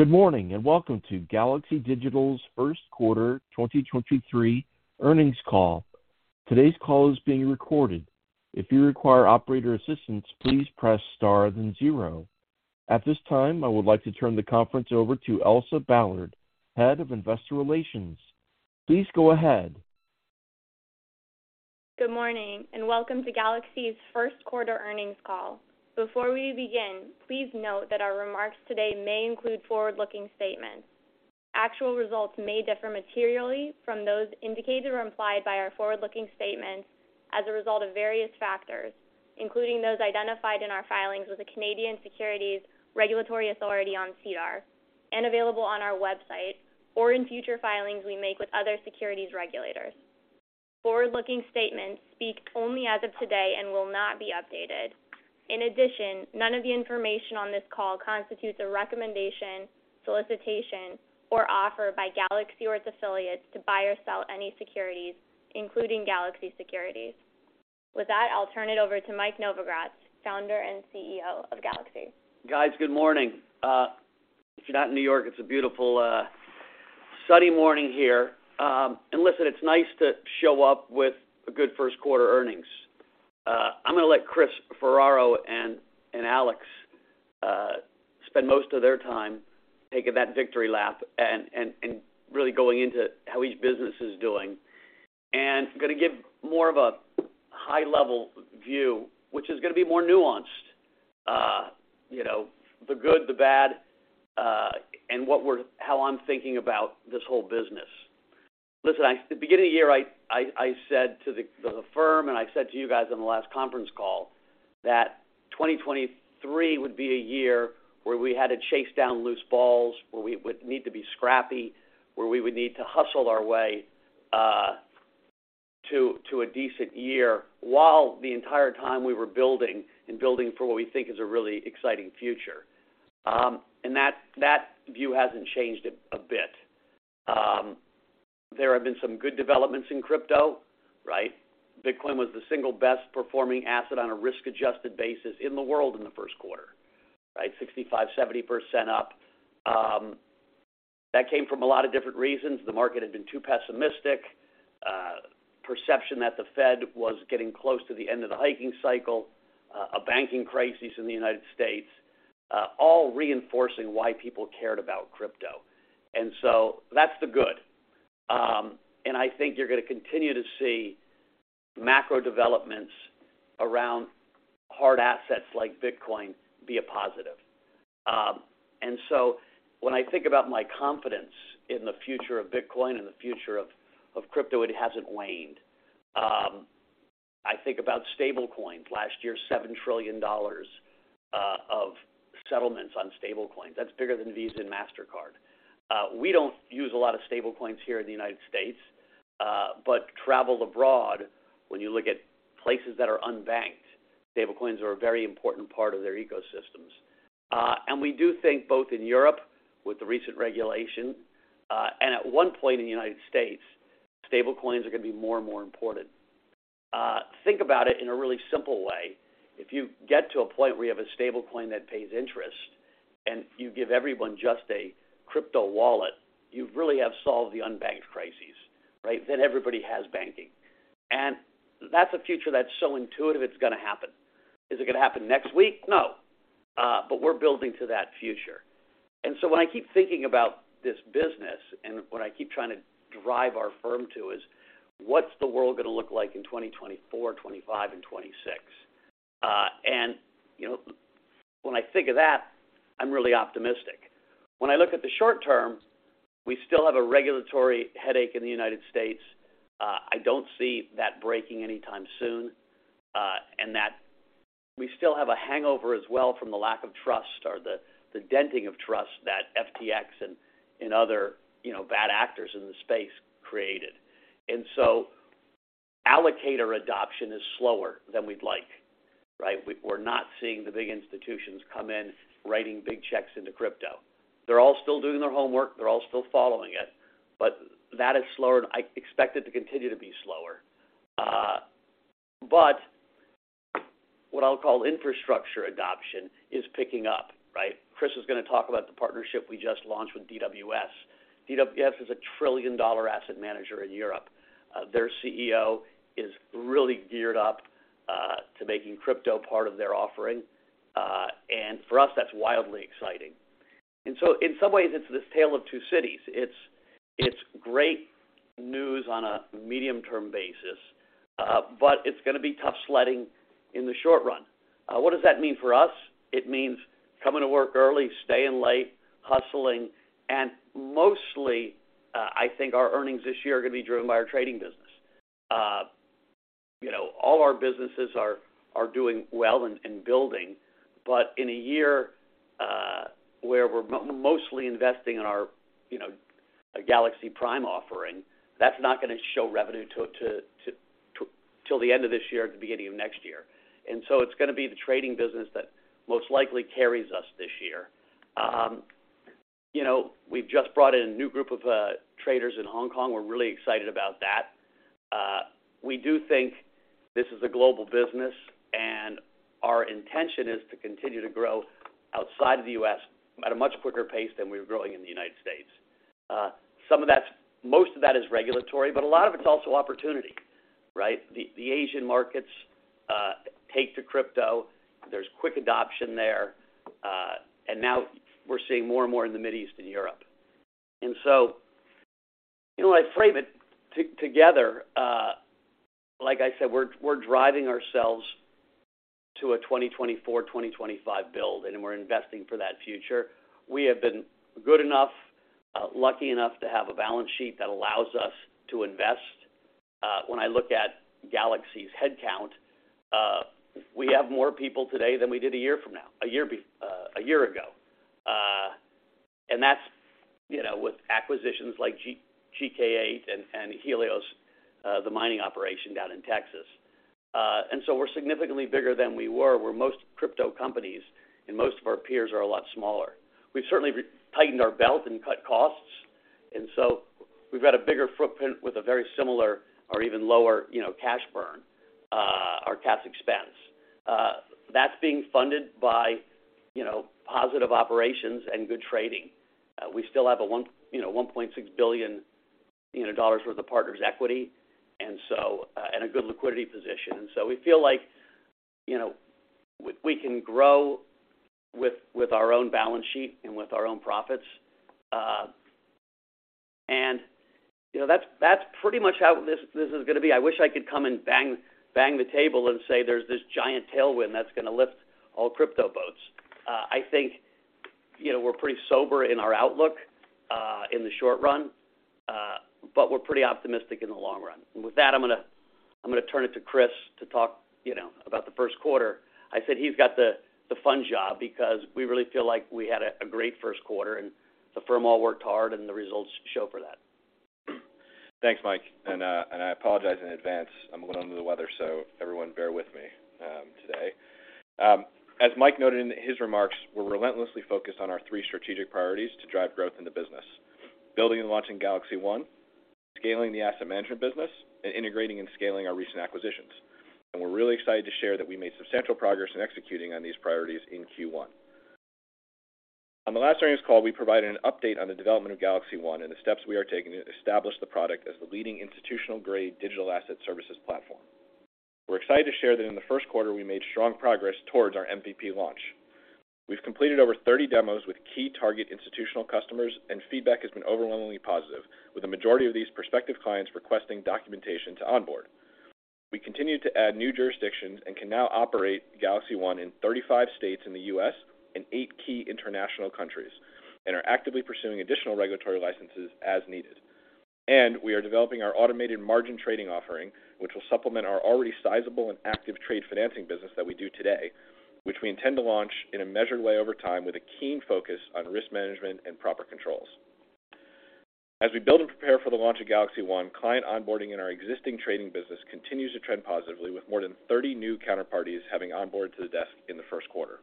Good morning, and welcome to Galaxy Digital's First Quarter 2023 Earnings Call. Today's call is being recorded. If you require operator assistance, please press star then zero. At this time, I would like to turn the conference over to Elsa Ballard, Head of Investor Relations. Please go ahead. Good morning, welcome to Galaxy's first quarter earnings call. Before we begin, please note that our remarks today may include forward-looking statements. Actual results may differ materially from those indicated or implied by our forward-looking statements as a result of various factors, including those identified in our filings with the Canadian Securities Regulatory Authority on SEDAR, and available on our website or in future filings we make with other securities regulators. Forward-looking statements speak only as of today and will not be updated. In addition, none of the information on this call constitutes a recommendation, solicitation, or offer by Galaxy or its affiliates to buy or sell any securities, including Galaxy Securities. With that, I'll turn it over to Mike Novogratz, Founder and CEO of Galaxy. Guys, good morning. If you're not in New York, it's a beautiful, sunny morning here. Listen, it's nice to show up with a good first quarter earnings. I'm gonna let Chris Ferraro and Alex spend most of their time taking that victory lap and really going into how each business is doing. I'm gonna give more of a high level view, which is gonna be more nuanced. You know, the good, the bad, and how I'm thinking about this whole business. Listen, at the beginning of the year, I said to the firm and I said to you guys on the last conference call that 2023 would be a year where we had to chase down loose balls, where we would need to be scrappy, where we would need to hustle our way to a decent year, while the entire time we were building and building for what we think is a really exciting future. That view hasn't changed a bit. There have been some good developments in crypto, right? Bitcoin was the single best performing asset on a risk-adjusted basis in the world in the first quarter, right? 65%, 70% up. That came from a lot of different reasons. The market had been too pessimistic. Perception that the Fed was getting close to the end of the hiking cycle. A banking crisis in the United States, all reinforcing why people cared about crypto. That's the good. I think you're gonna continue to see macro developments around hard assets like Bitcoin be a positive. When I think about my confidence in the future of Bitcoin and the future of crypto, it hasn't waned. I think about stablecoins. Last year, $7 trillion of settlements on stablecoins. That's bigger than Visa and Mastercard. We don't use a lot of stablecoins here in the United States, but travel abroad, when you look at places that are unbanked, stablecoins are a very important part of their ecosystems. We do think both in Europe with the recent regulation, and at one point in the U.S., stablecoins are gonna be more and more important. Think about it in a really simple way. If you get to a point where you have a stablecoin that pays interest and you give everyone just a crypto wallet, you really have solved the unbanked crisis, right? Everybody has banking. That's a future that's so intuitive, it's gonna happen. Is it gonna happen next week? No, we're building to that future. When I keep thinking about this business and what I keep trying to drive our firm to is, what's the world gonna look like in 2024, 2025 and 2026? You know, when I think of that, I'm really optimistic. When I look at the short term, we still have a regulatory headache in the United States. I don't see that breaking anytime soon, and that we still have a hangover as well from the lack of trust or the denting of trust that FTX and other, you know, bad actors in the space created. Allocator adoption is slower than we'd like, right? We're not seeing the big institutions come in writing big checks into crypto. They're all still doing their homework. They're all still following it, that is slower and I expect it to continue to be slower. What I'll call infrastructure adoption is picking up, right? Chris is gonna talk about the partnership we just launched with DWS. DWS is a trillion-dollar asset manager in Europe. Their CEO is really geared up to making crypto part of their offering, and for us, that's wildly exciting. And so in some ways, it's this tale of two cities. It's great news on a medium-term basis, but it's going to be tough sledding in the short run. What does that mean for us? It means coming to work early, staying late, hustling, and mostly, I think our earnings this year are going to be driven by our trading business. You know, all our businesses are doing well and building, but in a year where we're mostly investing in our, you know, Galaxy Prime offering, that's not going to show revenue till the end of this year or the beginning of next year. So it's going to be the trading business that most likely carries us this year. You know, we've just brought in a new group of traders in Hong Kong. We're really excited about that. We do think this is a global business, and our intention is to continue to grow outside of the U.S. at a much quicker pace than we're growing in the United States. Most of that is regulatory, but a lot of it's also opportunity, right? The Asian markets take to crypto. There's quick adoption there. Now we're seeing more and more in the Middle East and Europe. You know, I frame it together, like I said, we're driving ourselves to a 2024, 2025 build, and we're investing for that future. We have been good enough, lucky enough to have a balance sheet that allows us to invest. When I look at Galaxy's headcount, we have more people today than we did a year ago. That's, you know, with acquisitions like GK8 and Helios, the mining operation down in Texas. We're significantly bigger than we were, where most crypto companies and most of our peers are a lot smaller. We've certainly tightened our belt and cut costs, we've got a bigger footprint with a very similar or even lower, you know, cash burn or cash expense. That's being funded by, you know, positive operations and good trading. We still have $1.6 billion worth of partners' equity and a good liquidity position. We feel like, you know, we can grow with our own balance sheet and with our own profits. You know, that's pretty much how this is gonna be. I wish I could come and bang the table and say there's this giant tailwind that's gonna lift all crypto boats. I think, you know, we're pretty sober in our outlook, in the short run, but we're pretty optimistic in the long run. With that, I'm gonna, I'm gonna turn it to Chris to talk, you know, about the first quarter. I said he's got the fun job because we really feel like we had a great first quarter and the firm all worked hard and the results show for that. Thanks, Mike. I apologize in advance. I'm a little under the weather, so everyone bear with me today. As Mike noted in his remarks, we're relentlessly focused on our three strategic priorities to drive growth in the business: building and launching GalaxyOne, scaling the asset management business, and integrating and scaling our recent acquisitions. We're really excited to share that we made substantial progress in executing on these priorities in Q1. On the last earnings call, we provided an update on the development of GalaxyOne and the steps we are taking to establish the product as the leading institutional-grade digital asset services platform. We're excited to share that in the first quarter we made strong progress towards our MVP launch. We've completed over 30 demos with key target institutional customers, and feedback has been overwhelmingly positive, with the majority of these prospective clients requesting documentation to onboard. We continue to add new jurisdictions and can now operate GalaxyOne in 35 states in the U.S. and eight key international countries, and are actively pursuing additional regulatory licenses as needed. We are developing our automated margin trading offering, which will supplement our already sizable and active trade financing business that we do today, which we intend to launch in a measured way over time with a keen focus on risk management and proper controls. As we build and prepare for the launch of GalaxyOne, client onboarding in our existing trading business continues to trend positively, with more than 30 new counterparties having onboarded to the desk in the first quarter.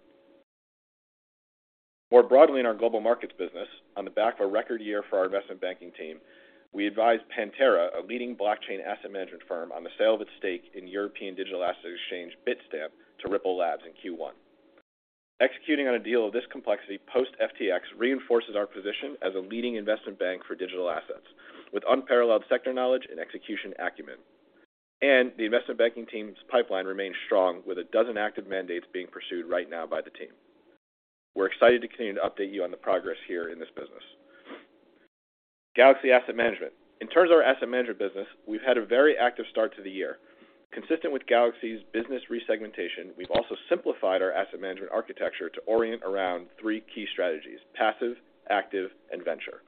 More broadly in our global markets business, on the back of a record year for our investment banking team, we advised Pantera, a leading blockchain asset management firm, on the sale of its stake in European digital asset exchange Bitstamp to Ripple Labs in Q1. Executing on a deal of this complexity post FTX reinforces our position as a leading investment bank for digital assets with unparalleled sector knowledge and execution acumen. The investment banking team's pipeline remains strong with 12 active mandates being pursued right now by the team. We're excited to continue to update you on the progress here in this business. Galaxy Asset Management. In terms of our asset management business, we've had a very active start to the year. Consistent with Galaxy's business resegmentation, we've also simplified our asset management architecture to orient around three key strategies: passive, active, and venture.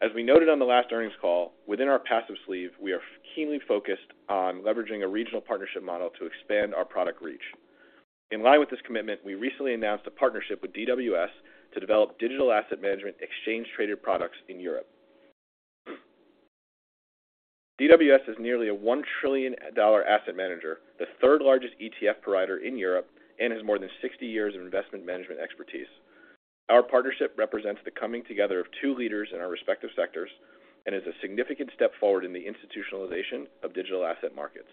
As we noted on the last earnings call, within our passive sleeve, we are keenly focused on leveraging a regional partnership model to expand our product reach. In line with this commitment, we recently announced a partnership with DWS to develop digital asset management exchange-traded products in Europe. DWS is nearly a $1 trillion asset manager, the third largest ETF provider in Europe, and has more than 60 years of investment management expertise. Our partnership represents the coming together of two leaders in our respective sectors and is a significant step forward in the institutionalization of digital asset markets.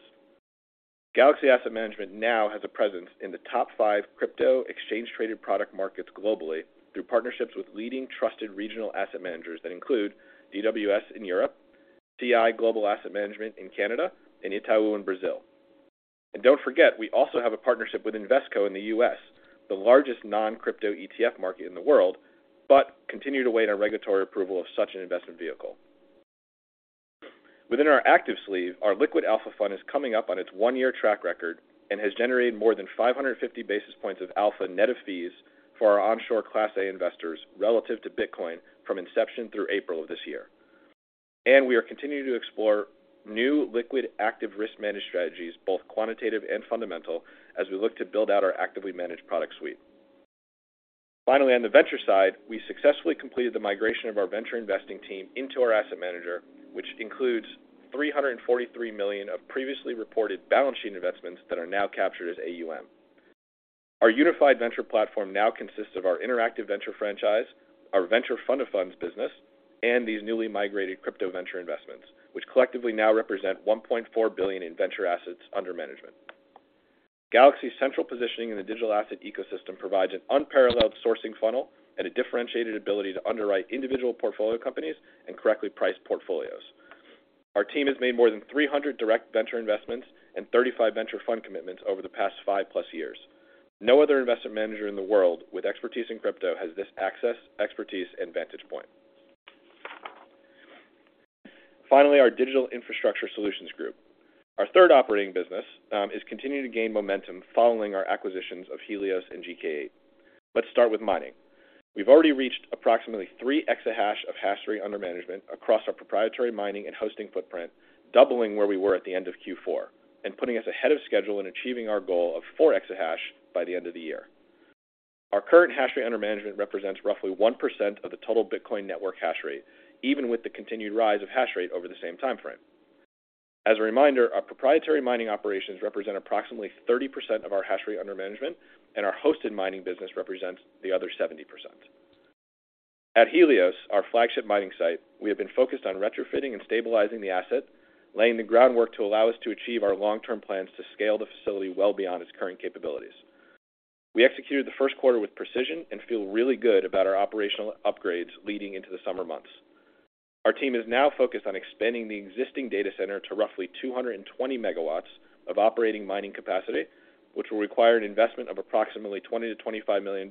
Galaxy Asset Management now has a presence in the top five crypto exchange traded product markets globally through partnerships with leading trusted regional asset managers that include DWS in Europe, CI Global Asset Management in Canada, and Itaú in Brazil. Don't forget, we also have a partnership with Invesco in the U.S., the largest non-crypto ETF market in the world, but continue to await our regulatory approval of such an investment vehicle. Within our active sleeve, our Liquid Alpha Fund is coming up on its one-year track record and has generated more than 550 basis points of alpha net of fees for our onshore Class A investors relative to Bitcoin from inception through April of this year. We are continuing to explore new liquid active risk managed strategies, both quantitative and fundamental, as we look to build out our actively managed product suite. Finally, on the venture side, we successfully completed the migration of our venture investing team into our asset manager, which includes $343 million of previously reported balance sheet investments that are now captured as AUM. Our unified venture platform now consists of our Interactive venture franchise, our venture fund of funds business, and these newly migrated crypto venture investments, which collectively now represent $1.4 billion in venture assets under management. Galaxy's central positioning in the digital asset ecosystem provides an unparalleled sourcing funnel and a differentiated ability to underwrite individual portfolio companies and correctly price portfolios. Our team has made more than 300 direct venture investments and 35 venture fund commitments over the past five-plus years. No other investment manager in the world with expertise in crypto has this access, expertise, and vantage point. Finally, our Galaxy Digital Infrastructure Solutions group, our third operating business, is continuing to gain momentum following our acquisitions of Helios and GK8. Let's start with mining. We've already reached approximately three exahash of hash rate under management across our proprietary mining and hosting footprint, doubling where we were at the end of Q4 and putting us ahead of schedule in achieving our goal of four exahash by the end of the year. Our current hash rate under management represents roughly 1% of the total Bitcoin network hash rate, even with the continued rise of hash rate over the same timeframe. As a reminder, our proprietary mining operations represent approximately 30% of our hash rate under management, and our hosted mining business represents the other 70%. At Helios, our flagship mining site, we have been focused on retrofitting and stabilizing the asset, laying the groundwork to allow us to achieve our long-term plans to scale the facility well beyond its current capabilities. We executed the first quarter with precision and feel really good about our operational upgrades leading into the summer months. Our team is now focused on expanding the existing data center to roughly 220 MW of operating mining capacity, which will require an investment of approximately $20 million-$25 million,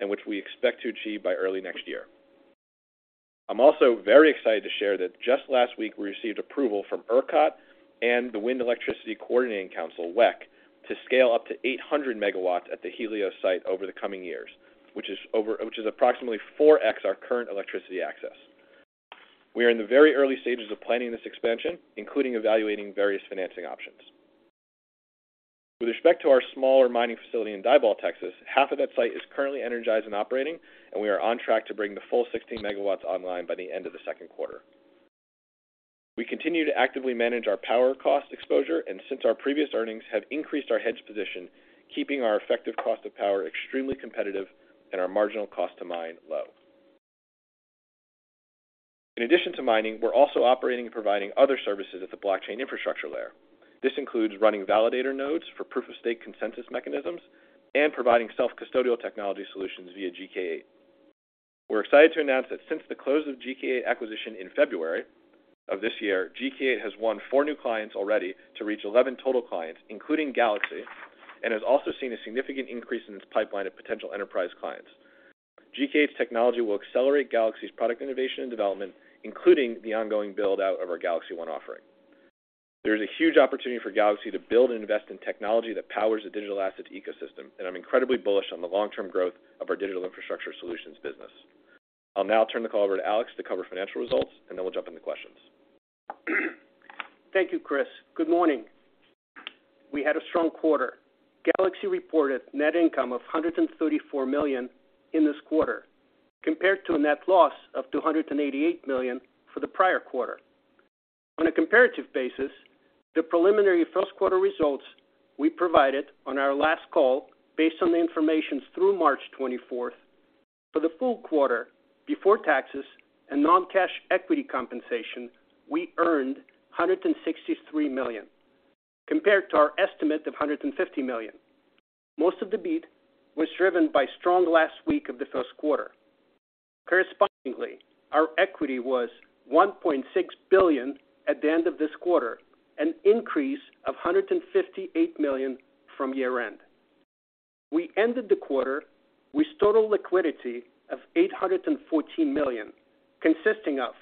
and which we expect to achieve by early next year. I'm also very excited to share that just last week, we received approval from ERCOT and the Western Electricity Coordinating Council, WECC, to scale up to 800 MW at the Helios site over the coming years, which is approximately 4x our current electricity access. We are in the very early stages of planning this expansion, including evaluating various financing options. With respect to our smaller mining facility in Diboll, Texas, half of that site is currently energized and operating, and we are on track to bring the full 60 MW online by the end of the second quarter. We continue to actively manage our power cost exposure, and since our previous earnings have increased our hedge position, keeping our effective cost of power extremely competitive and our marginal cost to mine low. In addition to mining, we're also operating and providing other services at the blockchain infrastructure layer. This includes running validator nodes for proof of stake consensus mechanisms and providing self-custodial technology solutions via GK8. We're excited to announce that since the close of the GK8 acquisition in February of this year, GK8 has won four new clients already to reach 11 total clients, including Galaxy, and has also seen a significant increase in its pipeline of potential enterprise clients. GK8's technology will accelerate Galaxy's product innovation and development, including the ongoing build-out of our GalaxyOne offering. There is a huge opportunity for Galaxy to build and invest in technology that powers the digital assets ecosystem, I'm incredibly bullish on the long-term growth of our Digital Infrastructure Solutions business. I'll now turn the call over to Alex to cover financial results, then we'll jump into questions. Thank you, Chris. Good morning. We had a strong quarter. Galaxy reported net income of $134 million in this quarter, compared to a net loss of $288 million for the prior quarter. On a comparative basis, the preliminary first quarter results we provided on our last call, based on the information through March 24th, for the full quarter before taxes and non-cash equity compensation, we earned $163 million, compared to our estimate of $150 million. Most of the beat was driven by strong last week of the first quarter. Correspondingly, our equity was $1.6 billion at the end of this quarter, an increase of $158 million from year-end. We ended the quarter with total liquidity of $814 million, consisting of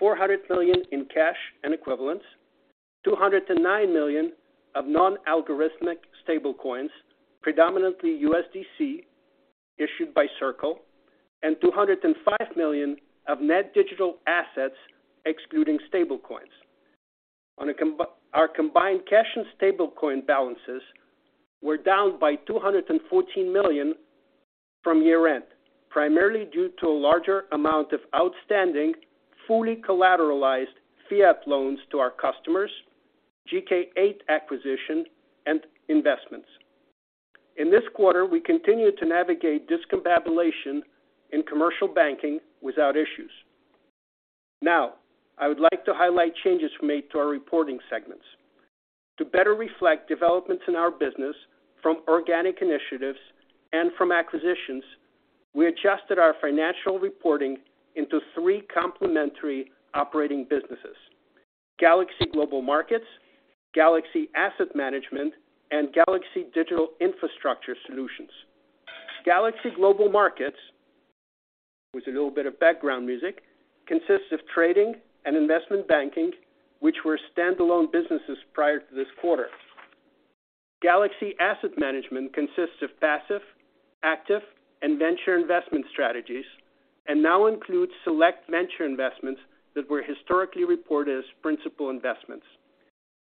$400 million in cash and equivalents, $209 million of non-algorithmic stablecoins, predominantly USDC issued by Circle, and $205 million of net digital assets excluding stablecoins. Our combined cash and stablecoin balances were down by $214 million from year-end, primarily due to a larger amount of outstanding, fully collateralized fiat loans to our customers, GK8 acquisition, and investments. In this quarter, we continued to navigate discombobulation in commercial banking without issues. Now, I would like to highlight changes we made to our reporting segments. To better reflect developments in our business from organic initiatives and from acquisitions, we adjusted our financial reporting into three complementary operating businesses: Galaxy Global Markets, Galaxy Asset Management, and Galaxy Digital Infrastructure Solutions. Galaxy Global Markets, with a little bit of background music, consists of trading and investment banking, which were standalone businesses prior to this quarter. Galaxy Asset Management consists of passive, active, and venture investment strategies and now includes select venture investments that were historically reported as principal investments.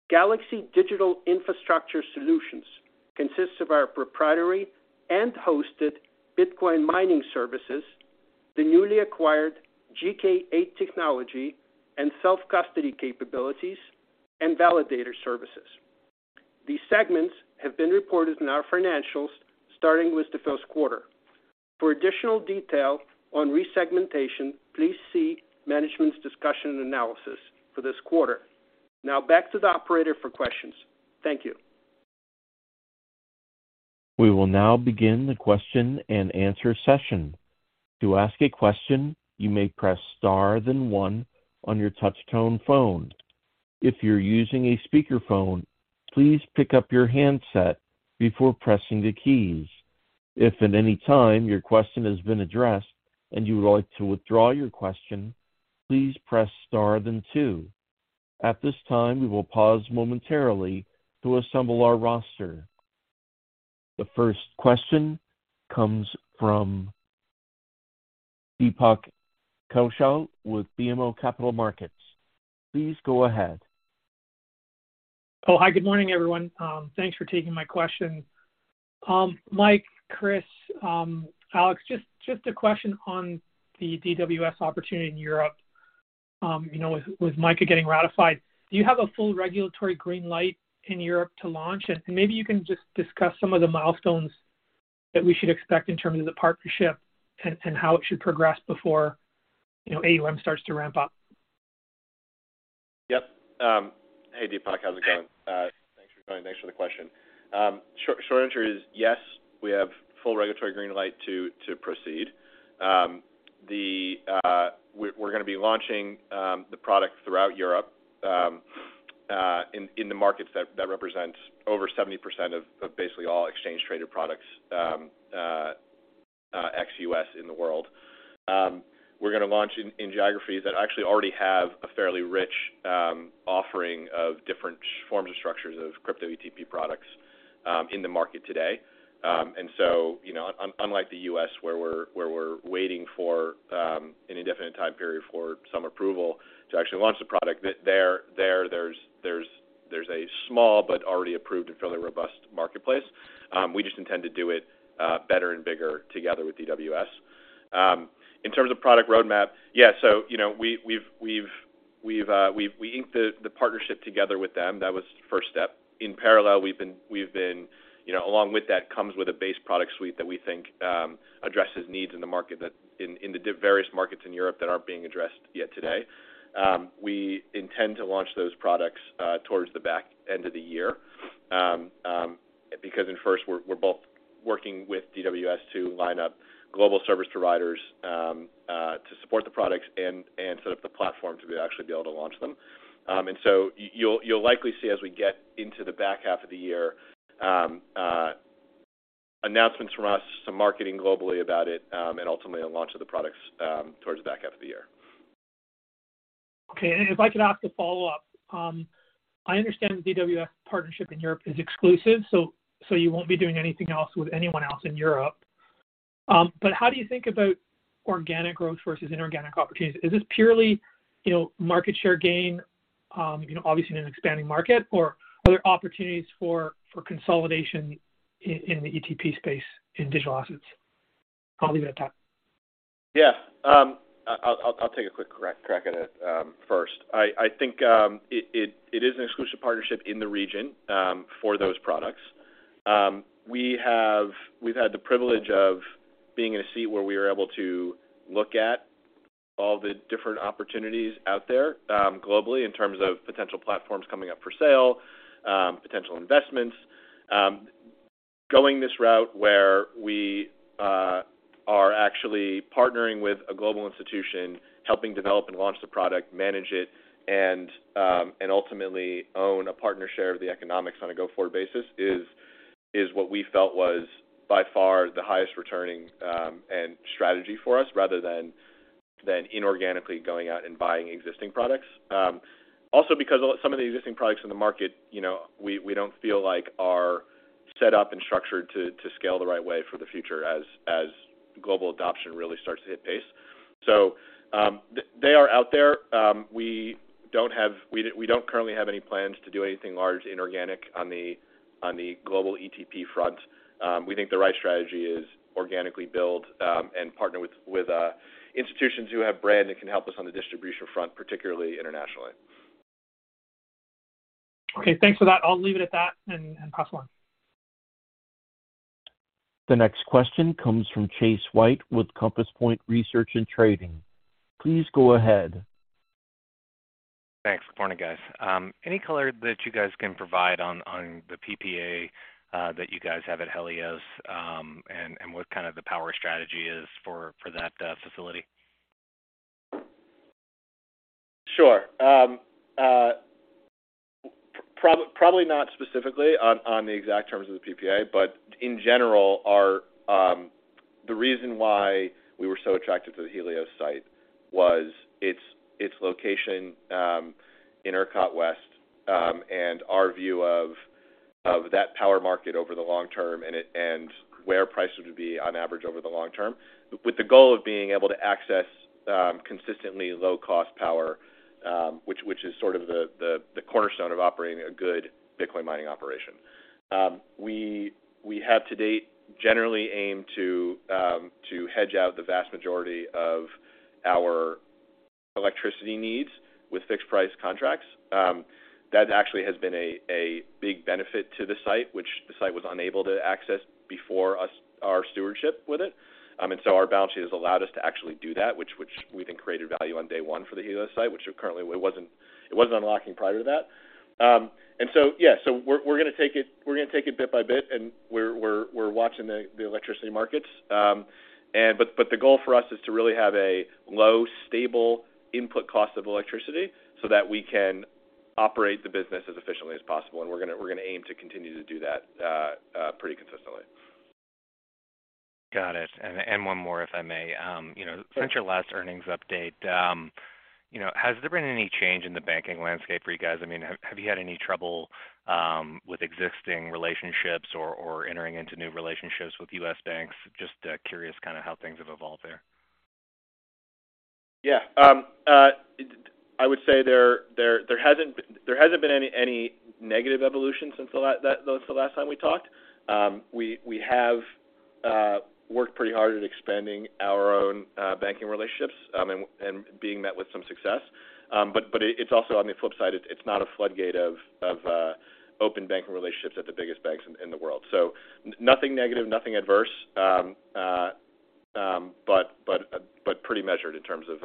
Galaxy Digital Infrastructure Solutions consists of our proprietary and hosted Bitcoin mining services. The newly acquired GK8 technology and self-custody capabilities and validator services. These segments have been reported in our financials starting with the first quarter. For additional detail on resegmentation, please see management's discussion and analysis for this quarter. Now back to the operator for questions. Thank you. We will now begin the Q&A session. To ask a question, you may press Star then one on your touchtone phone. If you're using a speakerphone, please pick up your handset before pressing the keys. If at any time your question has been addressed and you would like to withdraw your question, please press Star then two. At this time, we will pause momentarily to assemble our roster. The first question comes from Deepak Kaushal with BMO Capital Markets. Please go ahead. Hi. Good morning, everyone. Thanks for taking my question. Mike, Chris, Alex, just a question on the DWS opportunity in Europe. You know, with MiCA getting ratified, do you have a full regulatory green light in Europe to launch? Maybe you can just discuss some of the milestones that we should expect in terms of the partnership and how it should progress before, you know, AUM starts to ramp up. Yep. Hey, Deepak Kaushal. How's it going? Thanks for joining. Thanks for the question. Short answer is yes, we have full regulatory green light to proceed. We're gonna be launching the product throughout Europe in the markets that represent over 70% of basically all exchange traded products ex-U.S. in the world. We're gonna launch in geographies that actually already have a fairly rich offering of different forms or structures of crypto ETP products in the market today. You know, unlike the U.S. where we're waiting for an indefinite time period for some approval to actually launch the product, there's a small but already approved and fairly robust marketplace. We just intend to do it better and bigger together with DWS. In terms of product roadmap, yeah, you know, we've inked the partnership together with them. That was the first step. In parallel, we've been, you know, along with that comes with a base product suite that we think addresses needs in the market that in the various markets in Europe that aren't being addressed yet today. We intend to launch those products towards the back end of the year. In first, we're both working with DWS to line up global service providers to support the products and set up the platform to actually be able to launch them. You'll likely see as we get into the back half of the year, announcements from us, some marketing globally about it, and ultimately a launch of the products towards the back half of the year. If I could ask a follow-up. I understand the DWS partnership in Europe is exclusive, so you won't be doing anything else with anyone else in Europe. How do you think about organic growth versus inorganic opportunities? Is this purely, you know, market share gain, you know, obviously in an expanding market? Are there opportunities for consolidation in the ETP space in digital assets? I'll leave it at that. Yeah. I'll take a quick crack at it. First, I think it is an exclusive partnership in the region for those products. We've had the privilege of being in a seat where we are able to look at all the different opportunities out there globally in terms of potential platforms coming up for sale, potential investments. Going this route where we are actually partnering with a global institution, helping develop and launch the product, manage it, and ultimately own a partner share of the economics on a go-forward basis is what we felt was by far the highest returning and strategy for us rather than inorganically going out and buying existing products. Also because some of the existing products in the market, you know, we don't feel like are set up and structured to scale the right way for the future as global adoption really starts to hit pace. They are out there. We don't currently have any plans to do anything large inorganic on the global ETP front. We think the right strategy is organically build and partner with institutions who have brand and can help us on the distribution front, particularly internationally. Okay. Thanks for that. I'll leave it at that and pass along. The next question comes from Chase White with Compass Point Research & Trading. Please go ahead. Thanks. Good morning, guys. Any color that you guys can provide on the PPA that you guys have at Helios, and what kind of the power strategy is for that facility? Sure. probably not specifically on the exact terms of the PPA, but in general, our. The reason why we were so attracted to the Helios site was its location in ERCOT West, and our view of that power market over the long term and where price would be on average over the long term, with the goal of being able to access consistently low-cost power. Which is sort of the cornerstone of operating a good Bitcoin mining operation. We have to date generally aim to hedge out the vast majority of our electricity needs with fixed price contracts. That actually has been a big benefit to the site, which the site was unable to access before our stewardship with it. Our balance sheet has allowed us to actually do that, which we think created value on day one for the Helios site, which currently it wasn't unlocking prior to that. Yeah. We're gonna take it bit by bit, we're watching the electricity markets. But the goal for us is to really have a low, stable input cost of electricity so that we can operate the business as efficiently as possible. We're gonna aim to continue to do that pretty consistently. Got it. One more, if I may. Sure. Since your last earnings update, you know, has there been any change in the banking landscape for you guys? I mean, have you had any trouble with existing relationships or entering into new relationships with U.S. banks? Just, curious kinda how things have evolved there. Yeah. I would say there hasn't been any negative evolution since the last time we talked. We have worked pretty hard at expanding our own banking relationships, and being met with some success. It's also on the flip side, it's not a floodgate of open banking relationships at the biggest banks in the world. Nothing negative, nothing adverse, but pretty measured in terms of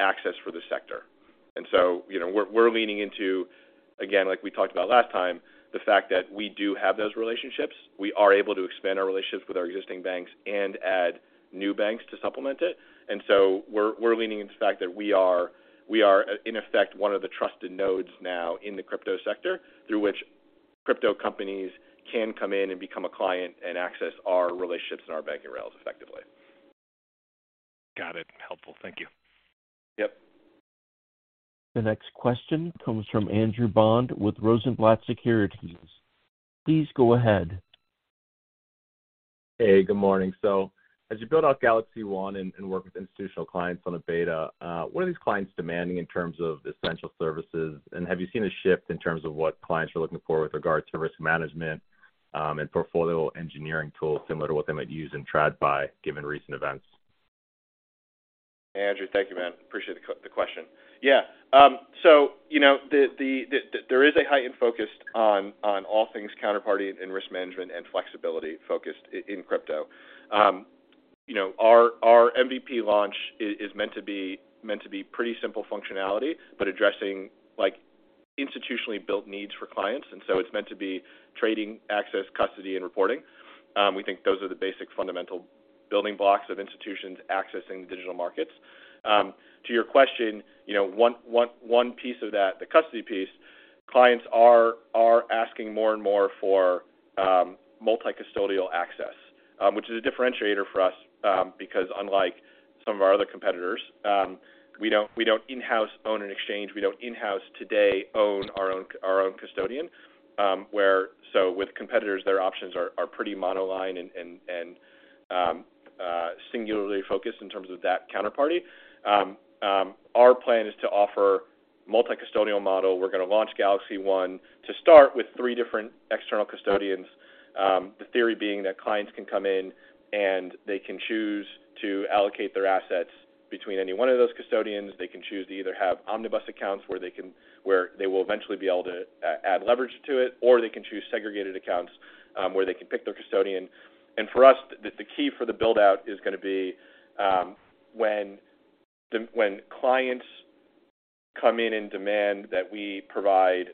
access for the sector. You know, we're leaning into, again, like we talked about last time, the fact that we do have those relationships. We are able to expand our relationships with our existing banks and add new banks to supplement it. We're leaning into the fact that we are in effect one of the trusted nodes now in the crypto sector through which crypto companies can come in and become a client and access our relationships and our banking rails effectively. Got it. Helpful. Thank you. Yep. The next question comes from Andrew Bond with Rosenblatt Securities. Please go ahead. Hey, good morning. As you build out GalaxyOne and work with institutional clients on a beta, what are these clients demanding in terms of essential services? Have you seen a shift in terms of what clients are looking for with regard to risk management and portfolio engineering tools similar to what they might use in TradFi given recent events? Andrew, thank you, man. Appreciate the question. Yeah. You know, the there is a heightened focus on all things counterparty and risk management and flexibility focused in crypto. You know, our MVP launch is meant to be pretty simple functionality, but addressing like institutionally built needs for clients, it's meant to be trading, access, custody, and reporting. We think those are the basic fundamental building blocks of institutions accessing digital markets. To your question, you know, one piece of that, the custody piece, clients are asking more and more for multi-custodial access, which is a differentiator for us, because unlike some of our other competitors, we don't in-house own an exchange. We don't in-house today own our own custodian. With competitors, their options are pretty monoline and singularly focused in terms of that counterparty. Our plan is to offer multi-custodial model. We're gonna launch GalaxyOne to start with three different external custodians. The theory being that clients can come in, and they can choose to allocate their assets between any one of those custodians. They can choose to either have omnibus accounts where they will eventually be able to add leverage to it, or they can choose segregated accounts, where they can pick their custodian. For us, the key for the build-out is gonna be when clients come in and demand that we provide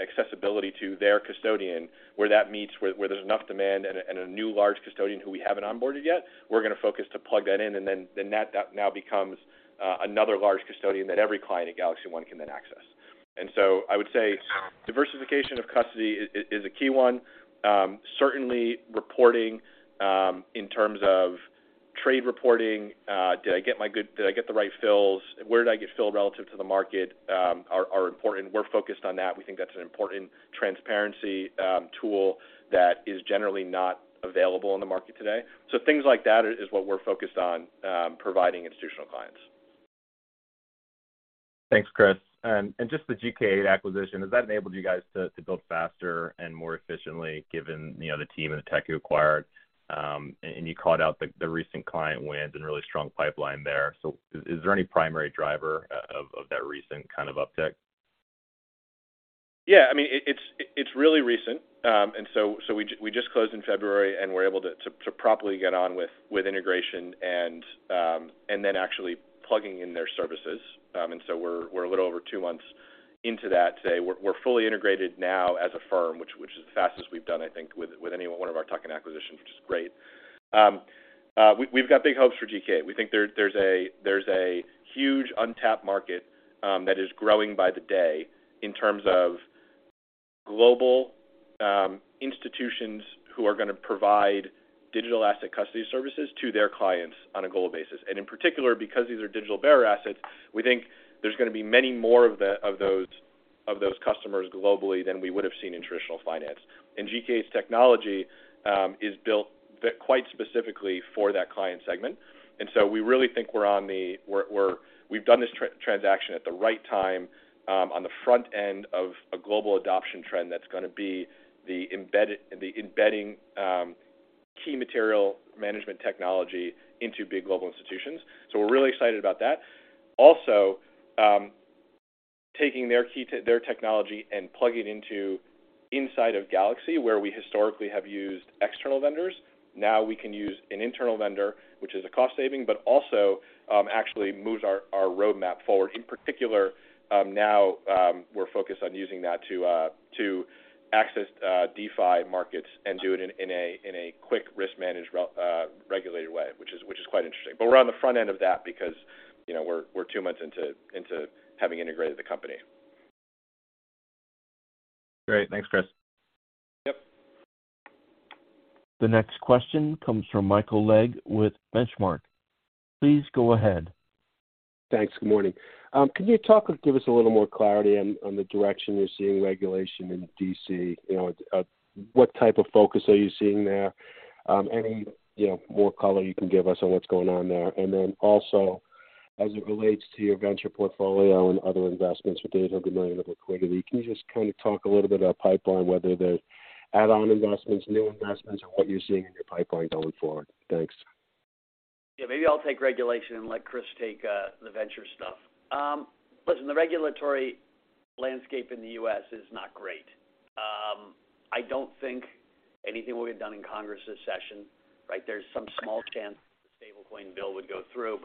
accessibility to their custodian, where there's enough demand and a new large custodian who we haven't onboarded yet, we're gonna focus to plug that in, then that now becomes another large custodian that every client at GalaxyOne can then access. I would say diversification of custody is a key one. Certainly reporting, in terms of trade reporting, did I get the right fills? Where did I get filled relative to the market, are important. We're focused on that. We think that's an important transparency tool that is generally not available in the market today. Things like that is what we're focused on, providing institutional clients. Thanks, Chris. Just the GK8 acquisition, has that enabled you guys to build faster and more efficiently given, you know, the team and the tech you acquired? You called out the recent client wins and really strong pipeline there. Is there any primary driver of that recent kind of uptick? I mean, it's really recent. So we just closed in February, and we're able to properly get on with integration and then actually plugging in their services. So we're a little over two months into that today. We're fully integrated now as a firm, which is the fastest we've done, I think, with any one of our tuck-in acquisitions, which is great. We've got big hopes for GK8. We think there's a huge untapped market that is growing by the day in terms of global institutions who are going to provide digital asset custody services to their clients on a global basis. In particular, because these are digital bearer assets, we think there's gonna be many more of those customers globally than we would have seen in traditional finance. GK8's technology is built quite specifically for that client segment. We really think we've done this transaction at the right time on the front end of a global adoption trend that's gonna be the embedding key material management technology into big global institutions. We're really excited about that. Also, taking their technology and plug it into inside of Galaxy, where we historically have used external vendors. Now we can use an internal vendor, which is a cost saving, but also actually moves our roadmap forward. In particular, now, we're focused on using that to access DeFi markets and do it in a quick risk-managed regulated way, which is quite interesting. We're on the front end of that because, you know, we're two months into having integrated the company. Great. Thanks, Chris. Yep. The next question comes from Michael Legg with Benchmark. Please go ahead. Thanks. Good morning. Can you talk or give us a little more clarity on the direction you're seeing regulation in D.C.? You know, what type of focus are you seeing there? Any, you know, more color you can give us on what's going on there. Also, as it relates to your venture portfolio and other investments with $800 million of liquidity, can you just kind of talk a little bit about pipeline, whether there's add-on investments, new investments, or what you're seeing in your pipeline going forward? Thanks. Yeah, maybe I'll take regulation and let Chris take the venture stuff. Listen, the regulatory landscape in the U.S. is not great. I don't think anything will get done in Congress this session, right? There's some small chance the stablecoin bill would go through.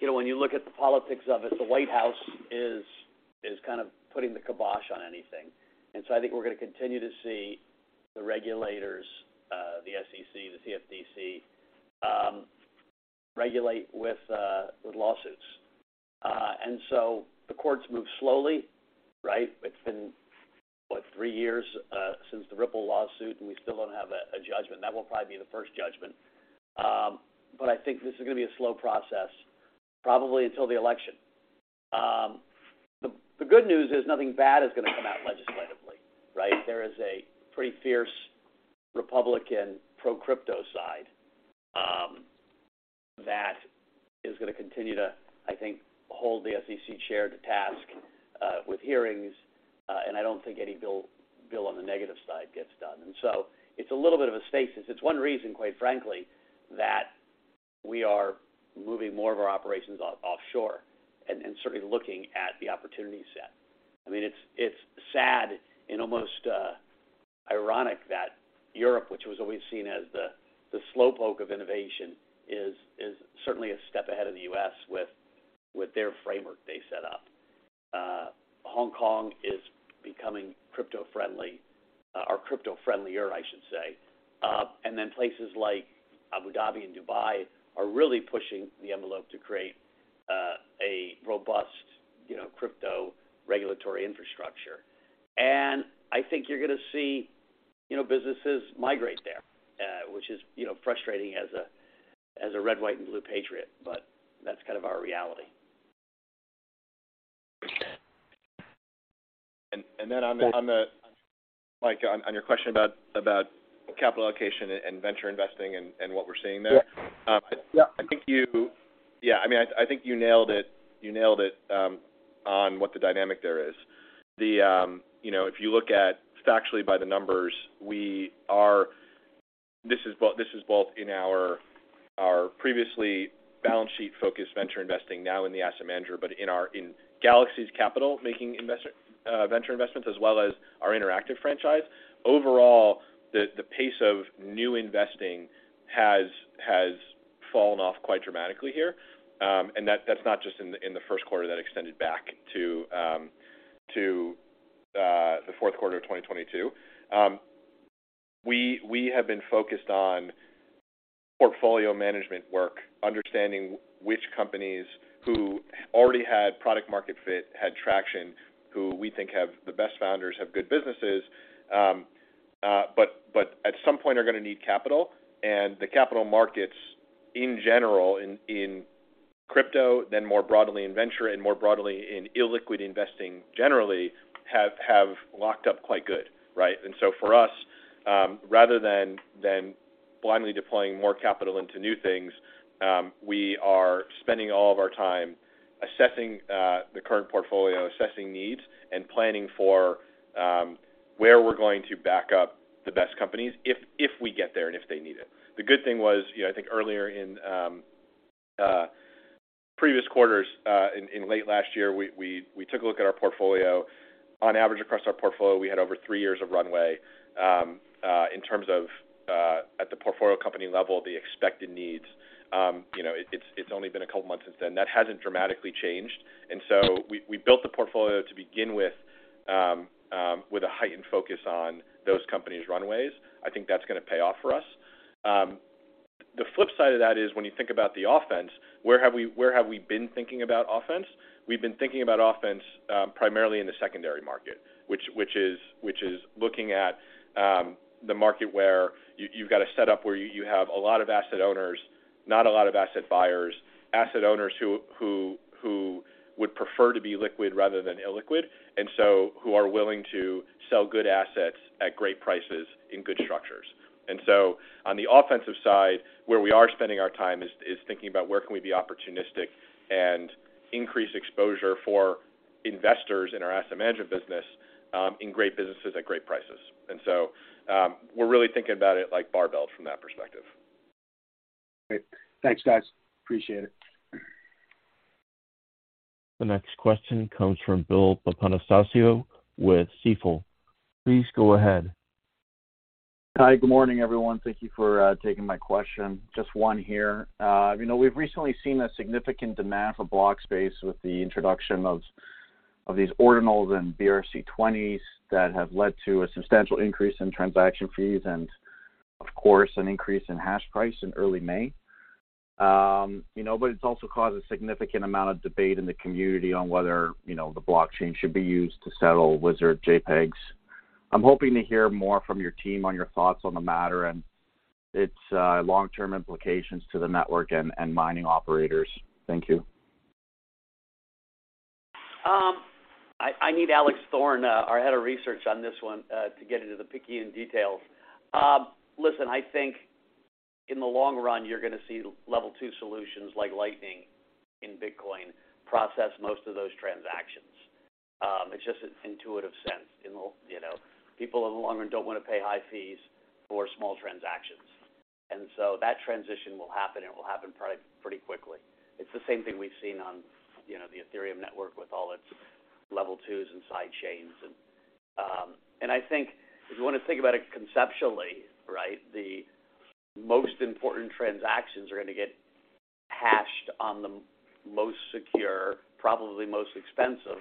You know, when you look at the politics of it, the White House is kind of putting the kibosh on anything. I think we're gonna continue to see the regulators, the SEC, the CFTC, regulate with lawsuits. The courts move slowly, right? It's been, what, three years since the Ripple lawsuit, and we still don't have a judgment. That will probably be the first judgment. I think this is gonna be a slow process, probably until the election. The good news is nothing bad is gonna come out legislatively, right? There is a pretty fierce Republican pro-crypto side that is gonna continue to, I think, hold the SEC chair to task with hearings, and I don't think any bill on the negative side gets done. It's a little bit of a space. It's one reason, quite frankly, that we are moving more of our operations offshore and certainly looking at the opportunity set. I mean, it's sad and almost ironic that Europe, which was always seen as the slow poke of innovation, is certainly a step ahead of the U.S. with their framework they set up. Hong Kong is becoming crypto-friendly or crypto-friendlier I should say. Then places like Abu Dhabi and Dubai are really pushing the envelope to create a robust, you know, crypto regulatory infrastructure. I think you're gonna see, you know, businesses migrate there, which is, you know, frustrating as a red, white, and blue patriot, but that's kind of our reality. Then on the Mike, on your question about capital allocation and venture investing and what we're seeing there. Yeah. Yeah, I mean, I think you nailed it on what the dynamic there is. You know, if you look at factually by the numbers, this is both in our previously balance sheet-focused venture investing now in the asset manager, but in Galaxy's capital-making venture investments as well as our interactive franchise. Overall, the pace of new investing has fallen off quite dramatically here. That's not just in the first quarter that extended back to the fourth quarter of 2022. We have been focused on portfolio management work, understanding which companies who already had product market fit, had traction, who we think have the best founders, have good businesses, but at some point are gonna need capital. The capital markets in general in crypto, then more broadly in venture and more broadly in illiquid investing generally have locked up quite good, right? For us, rather than blindly deploying more capital into new things, we are spending all of our time assessing the current portfolio, assessing needs, and planning for where we're going to back up the best companies if we get there and if they need it. The good thing was, you know, I think earlier in previous quarters, in late last year, we took a look at our portfolio. On average across our portfolio, we had over three years of runway in terms of at the portfolio company level, the expected needs. You know, it's only been a couple of months since then. That hasn't dramatically changed. So we built the portfolio to begin with a heightened focus on those companies' runways. I think that's gonna pay off for us. The flip side of that is when you think about the offense, where have we been thinking about offense? We've been thinking about offense, primarily in the secondary market, which is looking at the market where you've got a setup where you have a lot of asset owners, not a lot of asset buyers. Asset owners who would prefer to be liquid rather than illiquid, who are willing to sell good assets at great prices in good structures. On the offensive side, where we are spending our time is thinking about where can we be opportunistic and increase exposure for investors in our asset management business, in great businesses at great prices. We're really thinking about it like barbell from that perspective. Great. Thanks, guys. Appreciate it. The next question comes from Bill Papanastasiou with Stifel. Please go ahead. Hi. Good morning, everyone. Thank you for taking my question. Just one here. You know, we've recently seen a significant demand for block space with the introduction of these ordinals and BRC-20s that have led to a substantial increase in transaction fees and of course, an increase in hash price in early May. You know, it's also caused a significant amount of debate in the community on whether, you know, the blockchain should be used to settle wizard JPEGs. I'm hoping to hear more from your team on your thoughts on the matter and its long-term implications to the network and mining operators. Thank you. I need Alex Thorn, our head of research on this one, to get into the picky and details. Listen, I think in the long run, you're gonna see level two solutions like Lightning in Bitcoin process most of those transactions. It's just an intuitive sense. You know, people in the long run don't wanna pay high fees for small transactions. That transition will happen, and will happen probably pretty quickly. It's the same thing we've seen on, you know, the Ethereum network with all its level twos and side chains. I think if you wanna think about it conceptually, right, the most important transactions are gonna get hashed on the most secure, probably most expensive,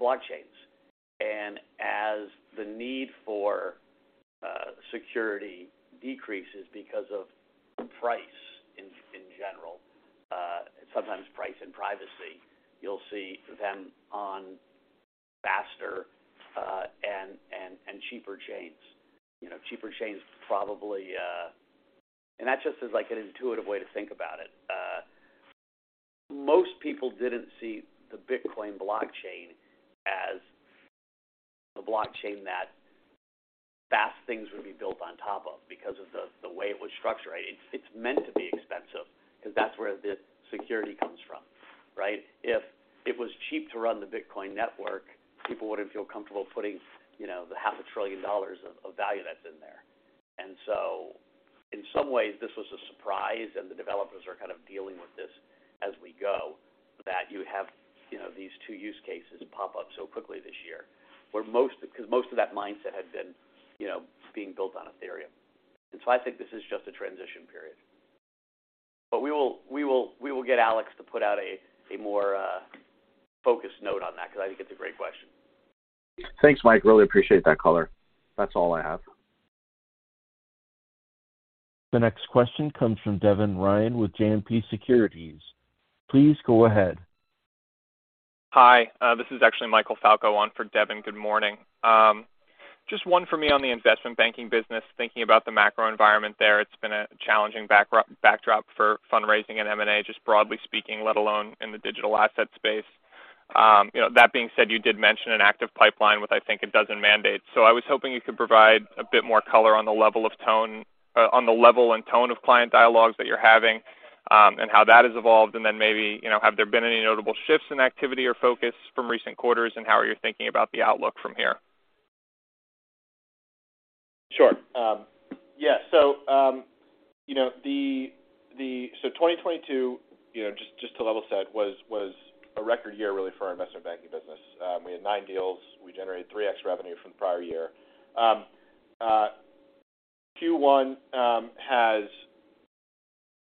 blockchains. As the need for security decreases because of price in general, sometimes price and privacy, you'll see them on faster and cheaper chains. You know, cheaper chains probably. That's just as like an intuitive way to think about it. Most people didn't see the Bitcoin blockchain as the blockchain that fast things would be built on top of because of the way it was structured. It's meant to be expensive 'cause that's where the security comes from, right? If it was cheap to run the Bitcoin network, people wouldn't feel comfortable putting, you know, the half a trillion dollars of value that's in there. In some ways, this was a surprise, and the developers are kind of dealing with this as we go, that you have, you know, these two use cases pop up so quickly this year. Because most of that mindset had been, you know, being built on Ethereum. I think this is just a transition period. We will get Alex to put out a more focused note on that because I think it's a great question. Thanks, Mike. Really appreciate that color. That's all I have. The next question comes from Devin Ryan with JMP Securities. Please go ahead. Hi. This is actually Michael Falco on for Devin. Good morning. Just one for me on the investment banking business. Thinking about the macro environment there, it's been a challenging backdrop for fundraising and M&A, just broadly speaking, let alone in the digital asset space. You know, that being said, you did mention an active pipeline with, I think, 12 mandates. I was hoping you could provide a bit more color on the level and tone of client dialogues that you're having, and how that has evolved. Maybe, you know, have there been any notable shifts in activity or focus from recent quarters, and how are you thinking about the outlook from here? Sure. 2022, you know, just to level set, was a record year really for our investment banking business. We had nine deals. We generated 3x revenue from the prior year. Q1 has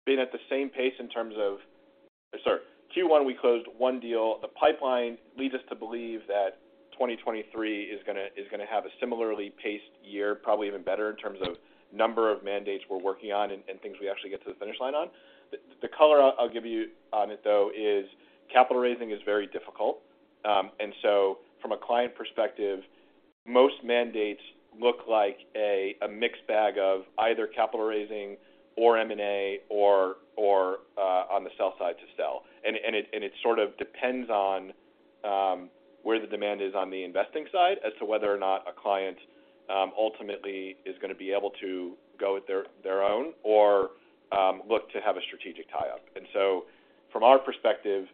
been at the same pace. Q1, we closed one deal. The pipeline leads us to believe that 2023 is gonna have a similarly paced year, probably even better in terms of number of mandates we're working on and things we actually get to the finish line on. The color I'll give you on it, though, is capital raising is very difficult. From a client perspective, most mandates look like a mixed bag of either capital raising or M&A or on the sell side to sell. And it sort of depends on where the demand is on the investing side as to whether or not a client ultimately is gonna be able to go at their own or look to have a strategic tie-up. From our perspective,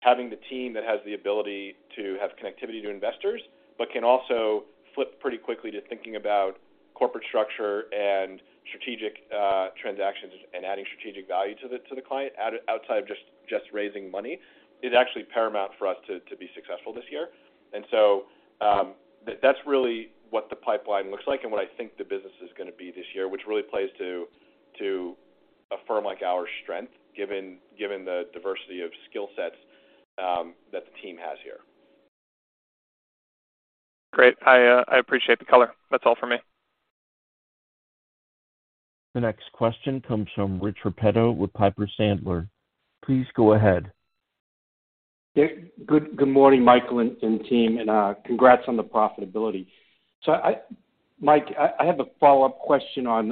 having the team that has the ability to have connectivity to investors, but can also flip pretty quickly to thinking about corporate structure and strategic transactions and adding strategic value to the client outside of just raising money, is actually paramount for us to be successful this year. That's really what the pipeline looks like and what I think the business is gonna be this year, which really plays to a firm like our strength, given the diversity of skill sets that the team has here. Great. I appreciate the color. That's all for me. The next question comes from Rich Repetto with Piper Sandler. Please go ahead. Good morning, Michael and team, and congrats on the profitability. Mike, I have a follow-up question on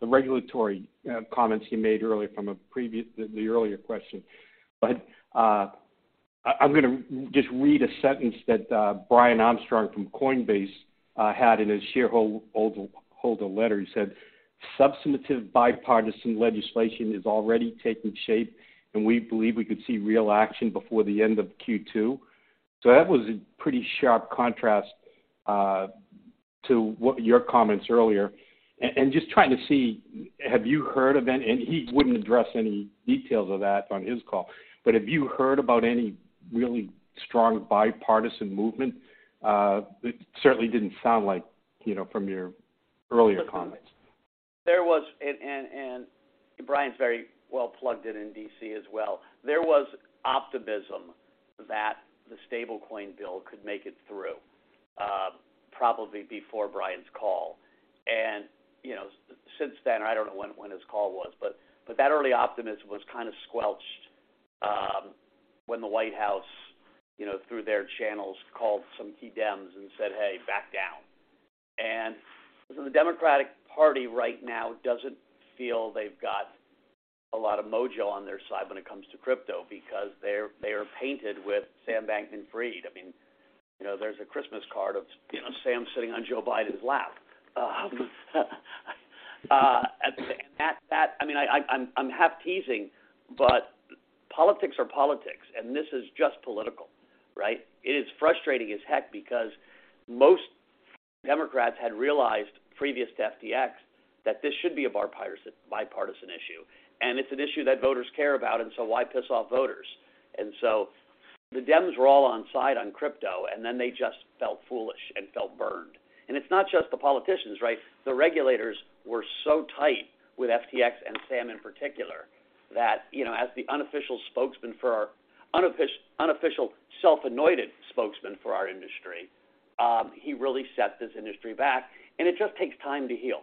the regulatory comments you made earlier from the earlier question. I'm gonna just read a sentence that Brian Armstrong from Coinbase had in his shareholder letter. He said, "Substantive bipartisan legislation is already taking shape, and we believe we could see real action before the end of Q2." That was a pretty sharp contrast to what your comments earlier. Just trying to see, have you heard of any. He wouldn't address any details of that on his call, have you heard about any really strong bipartisan movement? It certainly didn't sound like, you know, from your earlier comments. Brian's very well plugged in in D.C. as well. There was optimism that the stablecoin bill could make it through probably before Brian's call. You know, since then, I don't know when his call was, but that early optimism was kind of squelched when the White House, you know, through their channels, called some key Dems and said, "Hey, back down." The Democratic Party right now doesn't feel they've got a lot of mojo on their side when it comes to crypto because they are painted with Sam Bankman-Fried. I mean, you know, there's a Christmas card of, you know, Sam sitting on Joe Biden's lap. I mean, I'm half teasing, but politics are politics, and this is just political, right? It is frustrating as heck because most Democrats had realized previous to FTX that this should be a bipartisan issue. It's an issue that voters care about, why piss off voters? The Dems were all on side on crypto, then they just felt foolish and felt burned. It's not just the politicians, right? The regulators were so tight with FTX and Sam in particular that, you know, as the unofficial self-anointed spokesman for our industry, he really set this industry back, and it just takes time to heal.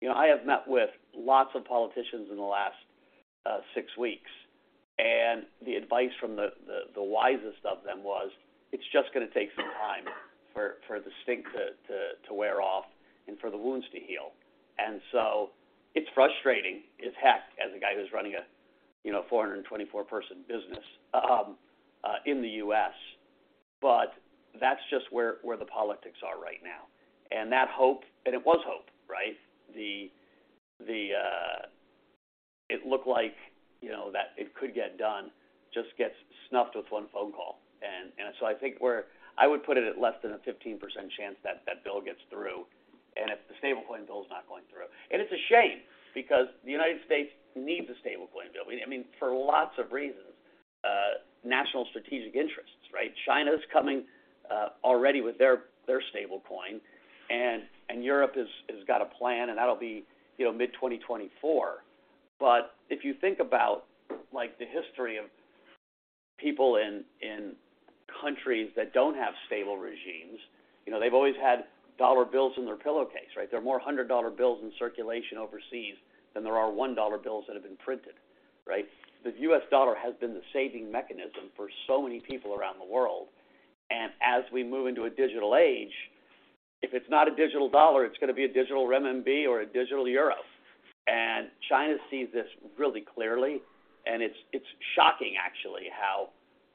You know, I have met with lots of politicians in the last six weeks, and the advice from the wisest of them was, "It's just gonna take some time for the stink to wear off and for the wounds to heal." It's frustrating as heck as a guy who's running a, you know, 424 person business, in the U.S., but that's just where the politics are right now. That hope, and it was hope, right? It looked like, you know, that it could get done, just gets snuffed with one phone call. I would put it at less than a 15% chance that that bill gets through, and if the stablecoin bill's not going through. It's a shame because the United States needs a stablecoin bill. I mean, for lots of reasons, national strategic interests, right? China's coming already with their stablecoin and Europe has got a plan, that'll be, you know, mid-2024. If you think about, like, the history of people in countries that don't have stable regimes, you know, they've always had dollar bills in their pillowcase, right? There are more 100 dollar bills in circulation overseas than there are $1 bills that have been printed, right? The U.S. dollar has been the saving mechanism for so many people around the world. As we move into a digital age, if it's not a digital dollar, it's gonna be a digital RMB or a digital euro. China sees this really clearly, and it's shocking actually,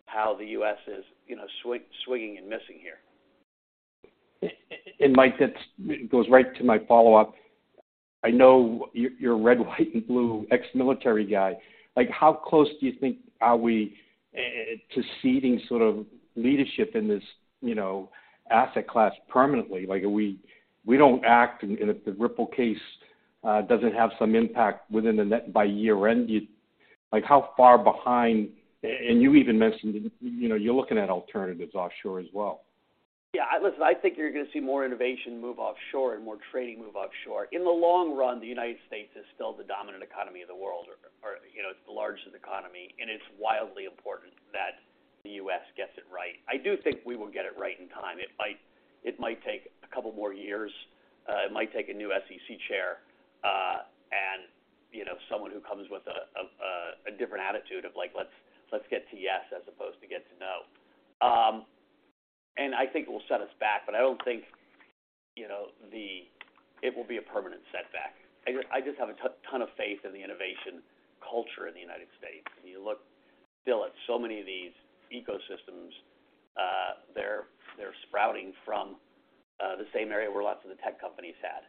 how the U.S. is, you know, swinging and missing here. Mike, that's goes right to my follow-up. I know you're a red, white, and blue ex-military guy. Like, how close do you think are we to ceding sort of leadership in this, you know, asset class permanently? Like, if we don't act, and if the Ripple case doesn't have some impact within by year end, like how far behind. You even mentioned, you know, you're looking at alternatives offshore as well. Yeah. Listen, I think you're gonna see more innovation move offshore and more trading move offshore. In the long run, the United States is still the dominant economy of the world, or you know, it's the largest economy, and it's wildly important that the U.S. gets it right. I do think we will get it right in time. It might take a couple more years. It might take a new SEC chair, and you know, someone who comes with a different attitude of like, let's get to yes as opposed to get to no. I think it will set us back, but I don't think, you know, it will be a permanent setback. I just have a ton of faith in the innovation culture in the United States. You look still at so many of these ecosystems, they're sprouting from the same area where lots of the tech companies had.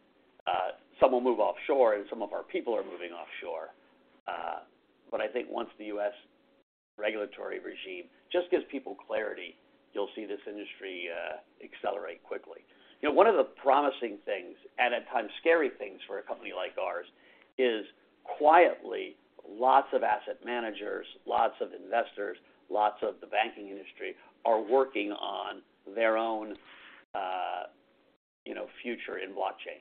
Some will move offshore, and some of our people are moving offshore. I think once the U.S. regulatory regime just gives people clarity, you'll see this industry accelerate quickly. You know, one of the promising things and at times scary things for a company like ours is quietly, lots of asset managers, lots of investors, lots of the banking industry are working on their own, you know, future in blockchain,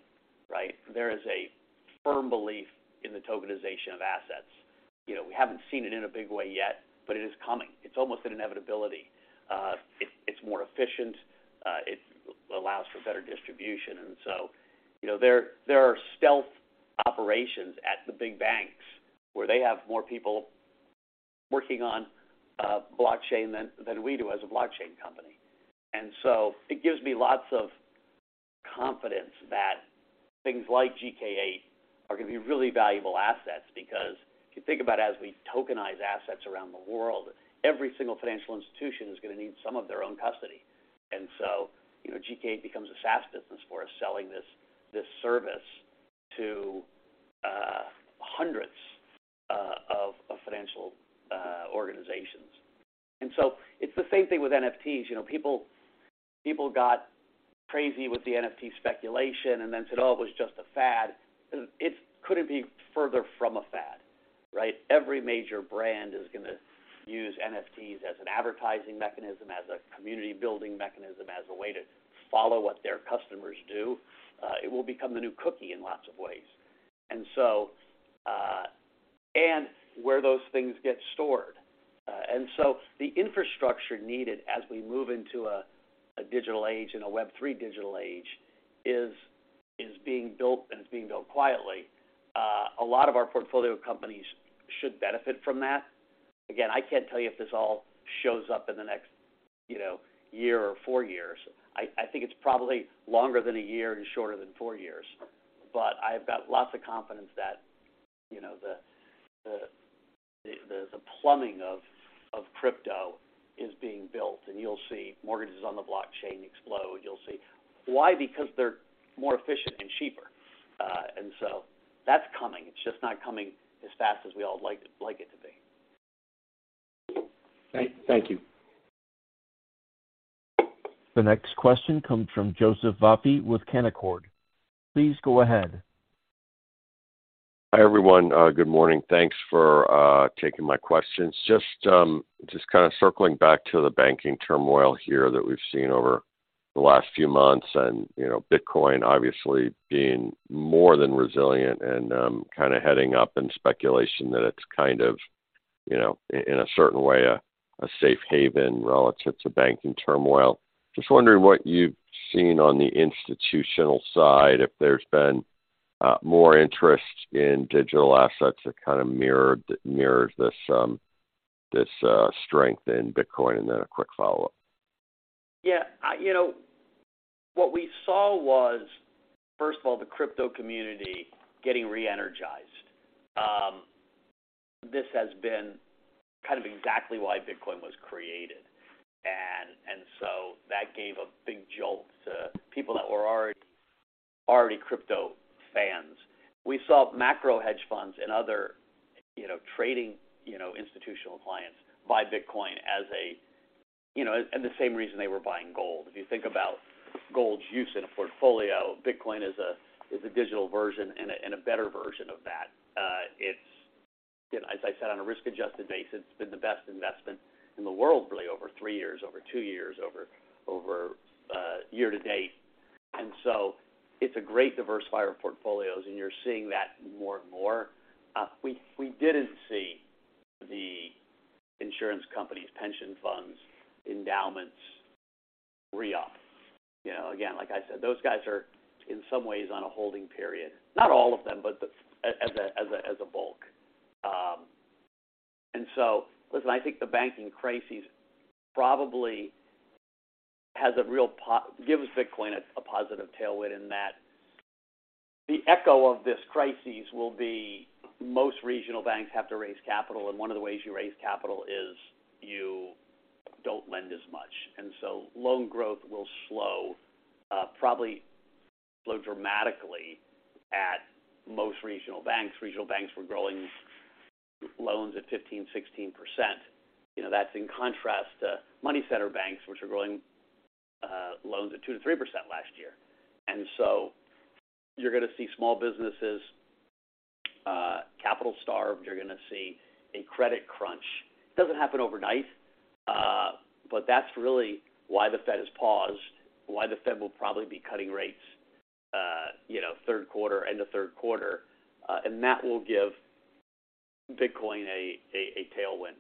right? There is a firm belief in the tokenization of assets. You know, we haven't seen it in a big way yet, but it is coming. It's almost an inevitability. It's more efficient, it allows for better distribution. You know, there are stealth operations at the big banks where they have more people working on blockchain than we do as a blockchain company. It gives me lots of confidence that things like GK8 are going to be really valuable assets, because if you think about it, as we tokenize assets around the world, every single financial institution is going to need some of their own custody. You know, GK8 becomes a SaaS business for us, selling this service to hundreds of financial organizations. It's the same thing with NFTs. You know, people got crazy with the NFT speculation and then said, "Oh, it was just a fad." It couldn't be further from a fad, right? Every major brand is gonna use NFTs as an advertising mechanism, as a community building mechanism, as a way to follow what their customers do. It will become the new cookie in lots of ways. Where those things get stored. The infrastructure needed as we move into a digital age and a Web3 digital age is being built and it's being built quietly. A lot of our portfolio companies should benefit from that. Again, I can't tell you if this all shows up in the next, you know, one year or four years. I think it's probably longer than a year and shorter than four years. I've got lots of confidence that, you know, the plumbing of crypto is being built, and you'll see mortgages on the blockchain explode. You'll see. Why? They're more efficient and cheaper. That's coming. It's just not coming as fast as we all like it to be. Thank you. The next question comes from Joseph Vafi with Canaccord. Please go ahead. Hi, everyone. Good morning. Thanks for taking my questions. Just kind of circling back to the banking turmoil here that we've seen over the last few months, and, you know, Bitcoin obviously being more than resilient and kind of heading up and speculation that it's kind of, you know, in a certain way, a safe haven relative to banking turmoil. Just wondering what you've seen on the institutional side, if there's been more interest in digital assets that kind of mirrors this strength in Bitcoin, and then a quick follow-up? Yeah. You know, what we saw was, first of all, the crypto community getting re-energized. This has been kind of exactly why Bitcoin was created. That gave a big jolt to people that were already crypto fans. We saw macro hedge funds and other, you know, trading, you know, institutional clients buy Bitcoin as a, you know, and the same reason they were buying gold. If you think about gold's use in a portfolio, Bitcoin is a, is a digital version and a, and a better version of that. It's, you know, as I said, on a risk-adjusted basis, it's been the best investment in the world, really, over three years, over two years, over year to date. It's a great diversifier of portfolios, and you're seeing that more and more. We didn't see the insurance companies, pension funds, endowments re-up. You know, again, like I said, those guys are, in some ways, on a holding period. Not all of them, but as a bulk. Listen, I think the banking crisis probably gives Bitcoin a positive tailwind in that the echo of this crisis will be most regional banks have to raise capital, and one of the ways you raise capital is you don't lend as much. Loan growth will slow, probably slow dramatically at most regional banks. Regional banks were growing loans at 15%, 16%. You know, that's in contrast to money center banks, which were growing loans at 2%-3% last year. You're gonna see small businesses, capital starved, you're gonna see a credit crunch. It doesn't happen overnight. That's really why the Fed has paused, why the Fed will probably be cutting rates, you know, third quarter, end of third quarter. That will give Bitcoin a tailwind.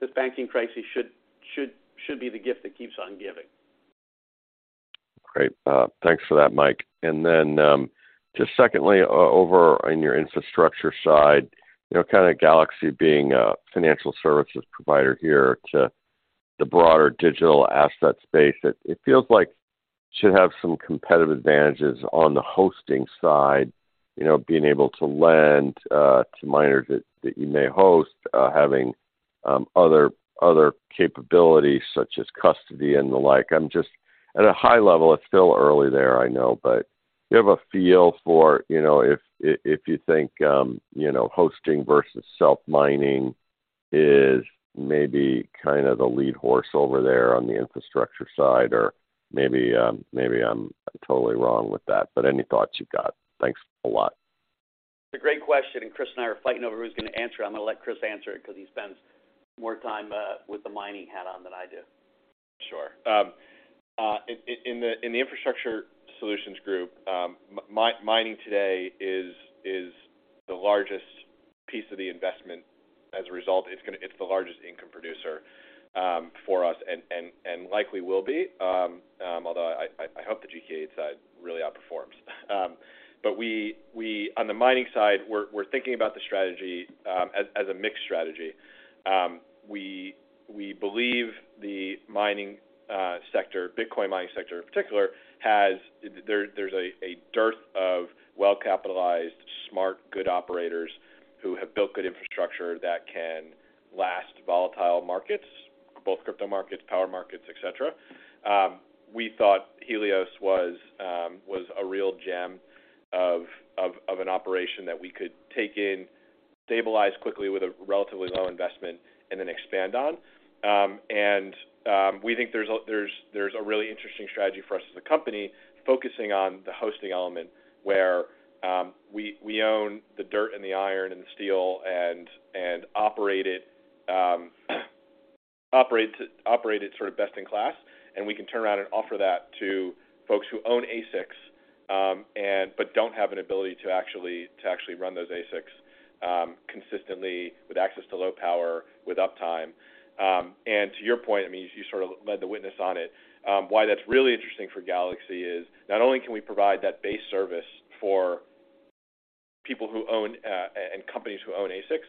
This banking crisis should be the gift that keeps on giving. Great. Thanks for that, Mike. Just secondly, over on your infrastructure side, you know, kind of Galaxy being a financial services provider here to the broader digital asset space, it feels like should have some competitive advantages on the hosting side, you know, being able to lend to miners that you may host, having other capabilities such as custody and the like. At a high level, it's still early there, I know, but do you have a feel for, you know, if you think, you know, hosting versus self-mining is maybe kind of the lead horse over there on the infrastructure side? Or maybe I'm totally wrong with that. Any thoughts you've got? Thanks a lot. It's a great question, and Chris and I are fighting over who's gonna answer it. I'm gonna let Chris answer it because he spends more time with the mining hat on than I do. Sure. In the Galaxy Digital Infrastructure Solutions group, mining today is the largest piece of the investment. As a result, it's the largest income producer for us and likely will be. Although I hope the GK8 side really outperforms. On the mining side, we're thinking about the strategy as a mixed strategy. We believe the mining sector, Bitcoin mining sector in particular, has. There's a dearth of well-capitalized, smart, good operators who have built good infrastructure that can last volatile markets, both crypto markets, power markets, et cetera. We thought Helios was a real gem of an operation that we could take in, stabilize quickly with a relatively low investment, and then expand on. We think there's a really interesting strategy for us as a company focusing on the hosting element, where, we own the dirt and the iron and the steel and operate it sort of best in class, and we can turn around and offer that to folks who own ASICs, and but don't have an ability to actually run those ASICs, consistently with access to low power, with uptime. To your point, I mean, you sort of led the witness on it. Why that's really interesting for Galaxy is not only can we provide that base service for people who own, and companies who own ASICs,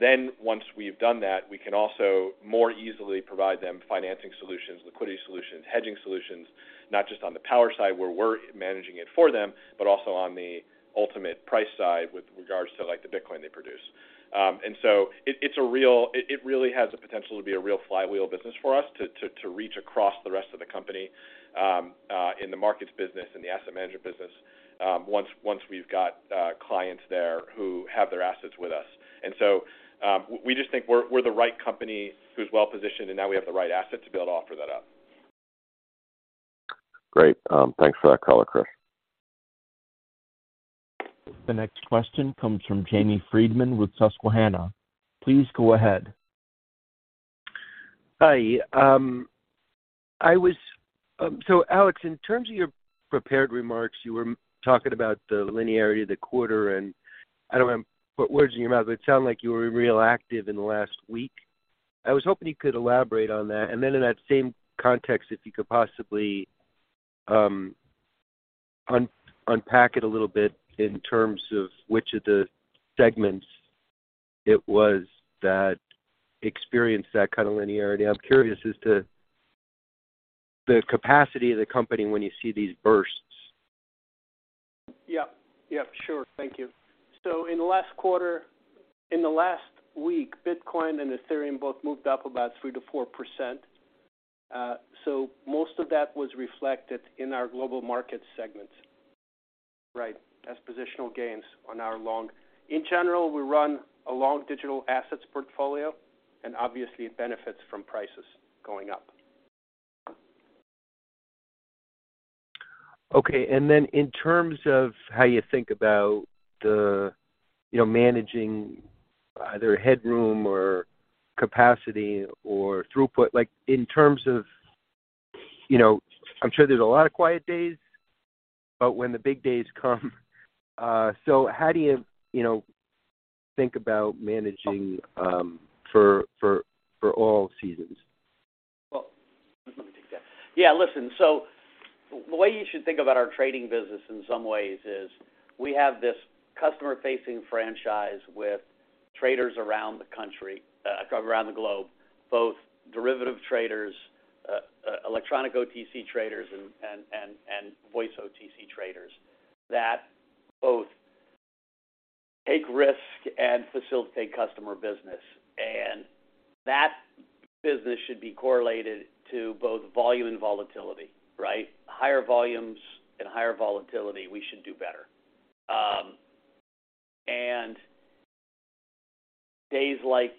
then once we've done that, we can also more easily provide them financing solutions, liquidity solutions, hedging solutions, not just on the power side, where we're managing it for them, but also on the ultimate price side with regards to, like, the Bitcoin they produce. It's a real. It really has the potential to be a real flywheel business for us to reach across the rest of the company, in the markets business and the asset management business, once we've got clients there who have their assets with us. We just think we're the right company who's well-positioned, and now we have the right asset to be able to offer that up. Great. thanks for that color, Chris. The next question comes from Jamie Friedman with Susquehanna. Please go ahead. Hi. Alex, in terms of your prepared remarks, you were talking about the linearity of the quarter, and I don't want to put words in your mouth, but it sounded like you were real active in the last week. I was hoping you could elaborate on that? In that same context, if you could possibly un-unpack it a little bit in terms of which of the segments it was that experienced that kind of linearity. I'm curious as to the capacity of the company when you see these bursts. Yeah. Yeah, sure. Thank you. In the last week, Bitcoin and Ethereum both moved up about 3%-4%. Most of that was reflected in our global market segment, right, as positional gains on our long. In general, we run a long digital assets portfolio, and obviously it benefits from prices going up. Okay. In terms of how you think about the, you know, managing either headroom or capacity or throughput, like in terms of, you know, I'm sure there's a lot of quiet days, but when the big days come, so how do you know, think about managing for all seasons? Well, let me take that. Yeah, listen, the way you should think about our trading business in some ways is we have this customer-facing franchise with traders around the country, around the globe, both derivative traders, electronic OTC traders and voice OTC traders that both take risk and facilitate customer business. That business should be correlated to both volume and volatility, right? Higher volumes and higher volatility, we should do better. Days like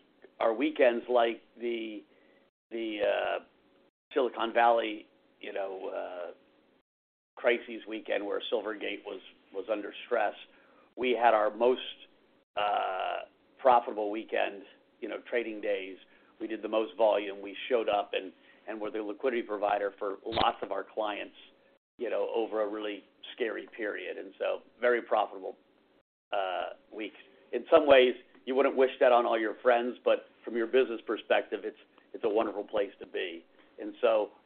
or weekends like the Silicon Valley, you know, crises weekend where Silvergate was under stress, we had our most profitable weekend, you know, trading days. We did the most volume. We showed up and were the liquidity provider for lots of our clients, you know, over a really scary period, very profitable week. In some ways, you wouldn't wish that on all your friends, but from your business perspective, it's a wonderful place to be.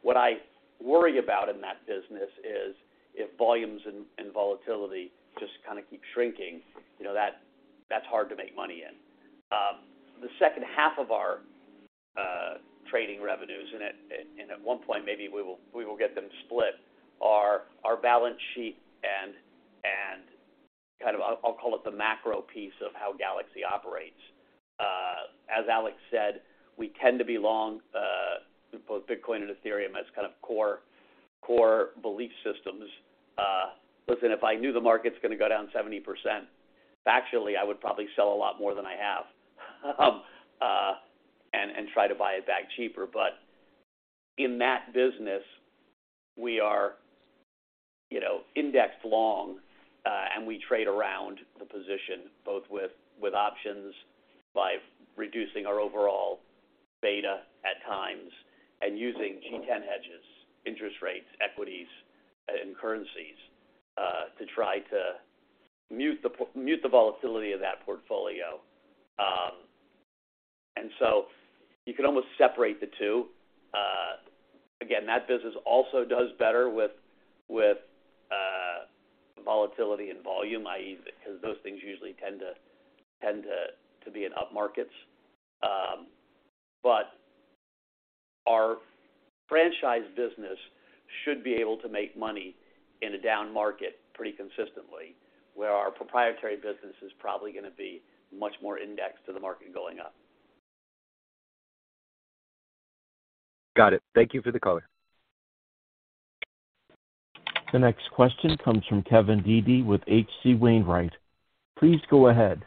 What I worry about in that business is if volumes and volatility just kind of keep shrinking, you know, that's hard to make money in. The second half of our trading revenues, and at one point, maybe we will get them split, are our balance sheet and kind of I'll call it the macro piece of how Galaxy operates. As Alex said, we tend to be long both Bitcoin and Ethereum as kind of core belief systems. Listen, if I knew the market's gonna go down 70%, factually I would probably sell a lot more than I have and try to buy it back cheaper. In that business, we are. You know, indexed long, we trade around the position both with options by reducing our overall beta at times and using G10 hedges, interest rates, equities, and currencies to try to mute the volatility of that portfolio. You can almost separate the two. Again, that business also does better with volatility and volume, i.e., because those things usually tend to be in up markets. Our franchise business should be able to make money in a down market pretty consistently, where our proprietary business is probably gonna be much more indexed to the market going up. Got it. Thank you for the color. The next question comes from Kevin Dede with H.C. Wainwright. Please go ahead.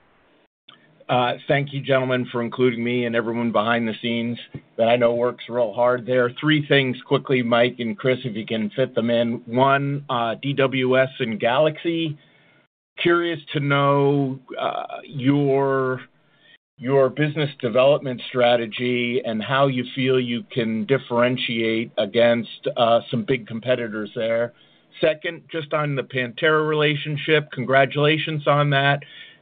Thank you, gentlemen, for including me and everyone behind the scenes that I know works real hard there. Three things quickly, Mike and Chris, if you can fit them in. One, DWS and Galaxy. Curious to know, your business development strategy and how you feel you can differentiate against some big competitors there. Second, just on the Pantera relationship, congratulations on that.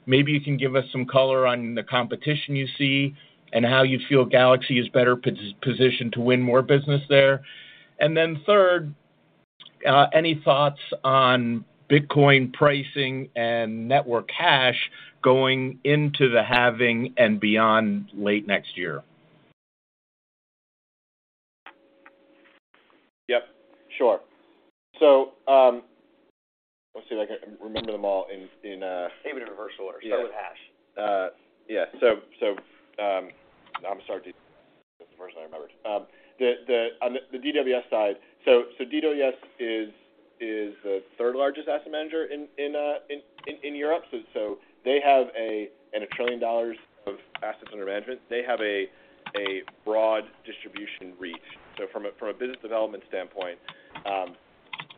Maybe you can give us some color on the competition you see and how you feel Galaxy is better positioned to win more business there. Third, any thoughts on Bitcoin pricing and network hash going into the halving and beyond late next year? Yep, sure. Let's see if I can remember them all in. Maybe in reverse order. Start with hash. Yeah. I'm sorry, that's the first thing I remembered. On the DWS side, DWS is the third-largest asset manager in Europe. They have $1 trillion of assets under management. They have a broad distribution reach. From a business development standpoint,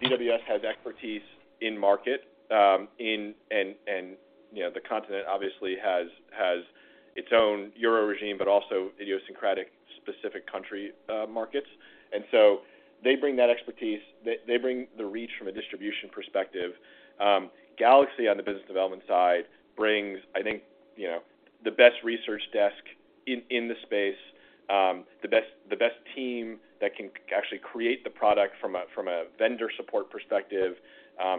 DWS has expertise in market. You know, the continent obviously has its own Euro regime, but also idiosyncratic specific country markets. They bring that expertise. They bring the reach from a distribution perspective. Galaxy on the business development side brings, I think, you know, the best research desk in the space, the best team that can actually create the product from a vendor support perspective,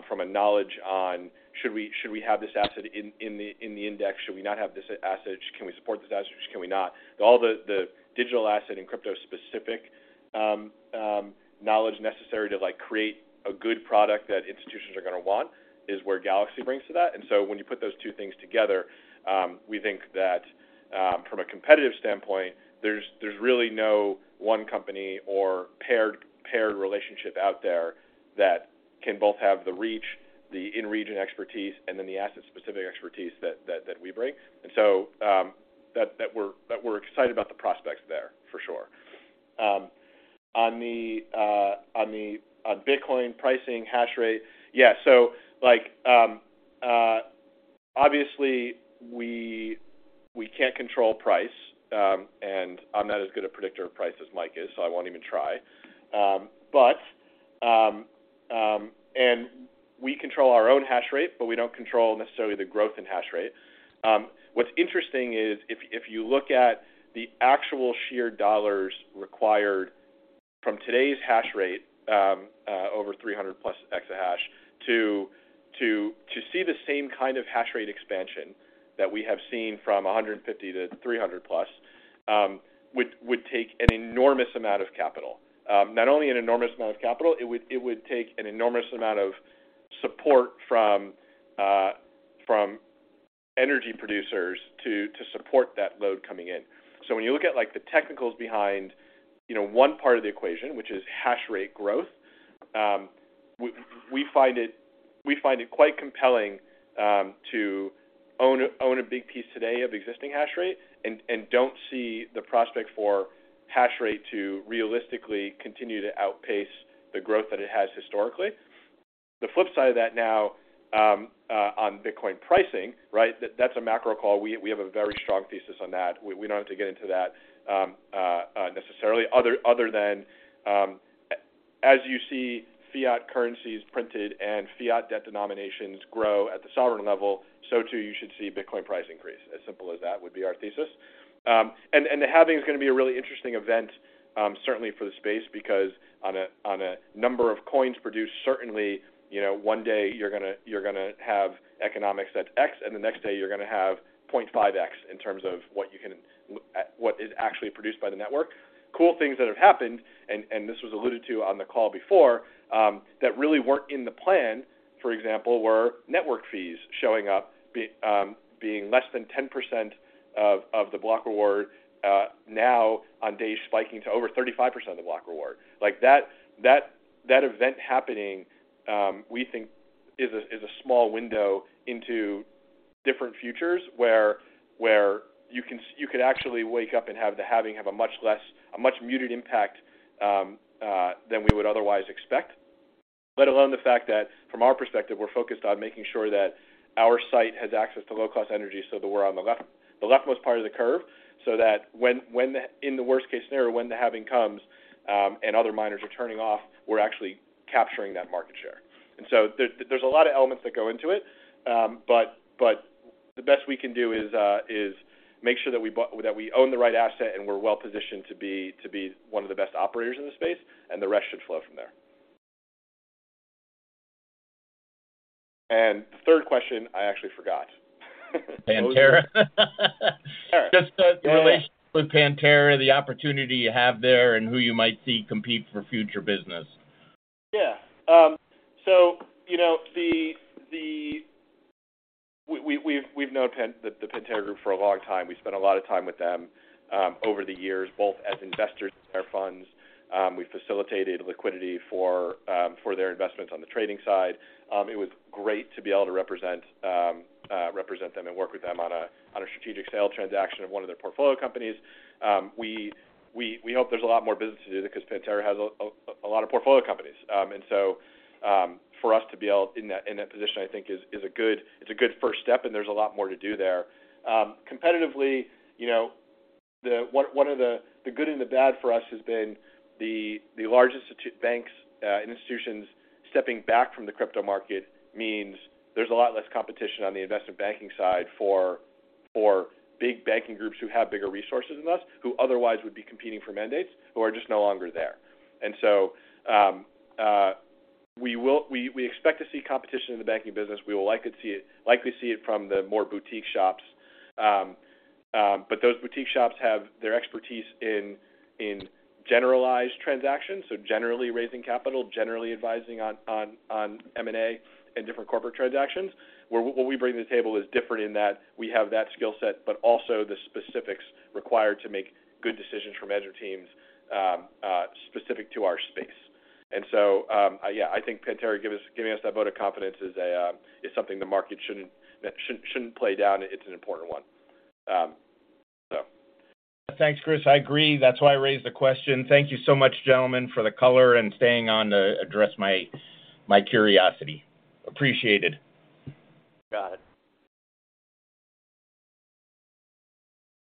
from a knowledge on should we have this asset in the index? Should we not have this asset? Can we support this asset? Can we not? All the digital asset and crypto-specific knowledge necessary to, like, create a good product that institutions are gonna want is where Galaxy brings to that. When you put those two things together, we think that from a competitive standpoint, there's really no one company or paired relationship out there that can both have the reach, the in-region expertise, and then the asset-specific expertise that we bring. That we're excited about the prospects there for sure. On the, on the, on Bitcoin pricing, hash rate. Like, obviously we can't control price, and I'm not as good a predictor of price as Mike is, so I won't even try. But we control our own hash rate, but we don't control necessarily the growth in hash rate. What's interesting is if you look at the actual sheer dollars required from today's hash rate, over 300+ exahash to see the same kind of hash rate expansion that we have seen from 150 to 300+, would take an enormous amount of capital. Not only an enormous amount of capital, it would, it would take an enormous amount of support from energy producers to support that load coming in. When you look at, like, the technicals behind, you know, one part of the equation, which is hash rate growth, we find it quite compelling to own a big piece today of existing hash rate and don't see the prospect for hash rate to realistically continue to outpace the growth that it has historically. Flip side of that now on Bitcoin pricing, right? That's a macro call. We have a very strong thesis on that. We don't have to get into that necessarily. Other than, as you see fiat currencies printed and fiat debt denominations grow at the sovereign level, so too you should see Bitcoin price increase. As simple as that would be our thesis. The halving is gonna be a really interesting event, certainly for the space, because on a number of coins produced, certainly, you know, one day you're gonna have economics that's X, and the next day you're gonna have 0.5x in terms of what is actually produced by the network. Cool things that have happened, this was alluded to on the call before, that really weren't in the plan, for example, were network fees showing up being less than 10% of the block reward, now on days spiking to over 35% of the block reward. That event happening, we think is a small window into different futures where you could actually wake up and have the halving have a much less, a much muted impact than we would otherwise expect. Let alone the fact that from our perspective, we're focused on making sure that our site has access to low-cost energy so that we're on the leftmost part of the curve, so that when the. In the worst-case scenario, when the halving comes, and other miners are turning off, we're actually capturing that market share. There's a lot of elements that go into it. The best we can do is make sure that we own the right asset and we're well-positioned to be one of the best operators in the space, and the rest should flow from there. The third question I actually forgot. Pantera. All right. Just the relationship with Pantera, the opportunity you have there, and who you might see compete for future business. Yeah. So, you know, the Pantera group for a long time. We've known Pantera group for a long time. We spent a lot of time with them over the years, both as investors in their funds. We facilitated liquidity for their investments on the trading side. It was great to be able to represent them and work with them on a strategic sale transaction of one of their portfolio companies. We hope there's a lot more business to do there 'cause Pantera has a lot of portfolio companies. So, for us to be able in that position, I think is a good, it's a good first step, and there's a lot more to do there. Competitively, you know, one of the good and the bad for us has been the large banks and institutions stepping back from the crypto market means there's a lot less competition on the investment banking side for big banking groups who have bigger resources than us, who otherwise would be competing for mandates who are just no longer there. We expect to see competition in the banking business. We will likely see it from the more boutique shops. But those boutique shops have their expertise in generalized transactions, so generally raising capital, generally advising on M&A and different corporate transactions, where what we bring to the table is different in that we have that skill set, but also the specifics required to make good decisions from management teams, specific to our space. Yeah, I think Pantera giving us that vote of confidence is something the market shouldn't play down. It's an important one. Thanks, Chris. I agree. That's why I raised the question. Thank you so much, gentlemen, for the color and staying on to address my curiosity. Appreciated. Got it.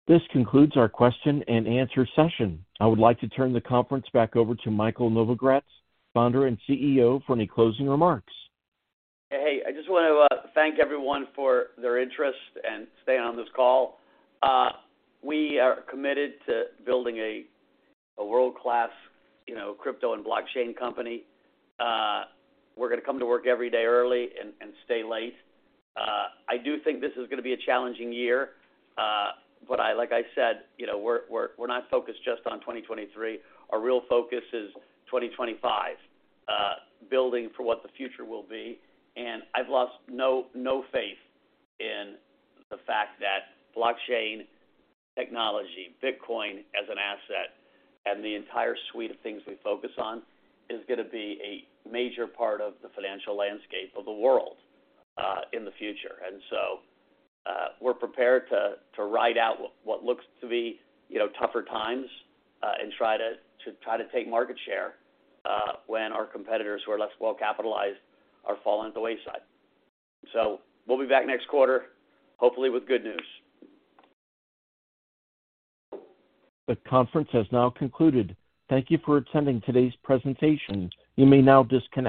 This concludes our Q&A session. I would like to turn the conference back over to Michael Novogratz, founder and CEO, for any closing remarks. I just wanna thank everyone for their interest and staying on this call. We are committed to building a world-class, you know, crypto and blockchain company. We're gonna come to work every day early and stay late. I do think this is gonna be a challenging year. Like I said, you know, we're not focused just on 2023. Our real focus is 2025, building for what the future will be. I've lost no faith in the fact that blockchain technology, Bitcoin as an asset, and the entire suite of things we focus on is gonna be a major part of the financial landscape of the world in the future. We're prepared to ride out what looks to be, you know, tougher times, and try to take market share, when our competitors who are less well-capitalized are falling at the wayside. We'll be back next quarter, hopefully with good news. The conference has now concluded. Thank you for attending today's presentation. You may now disconnect.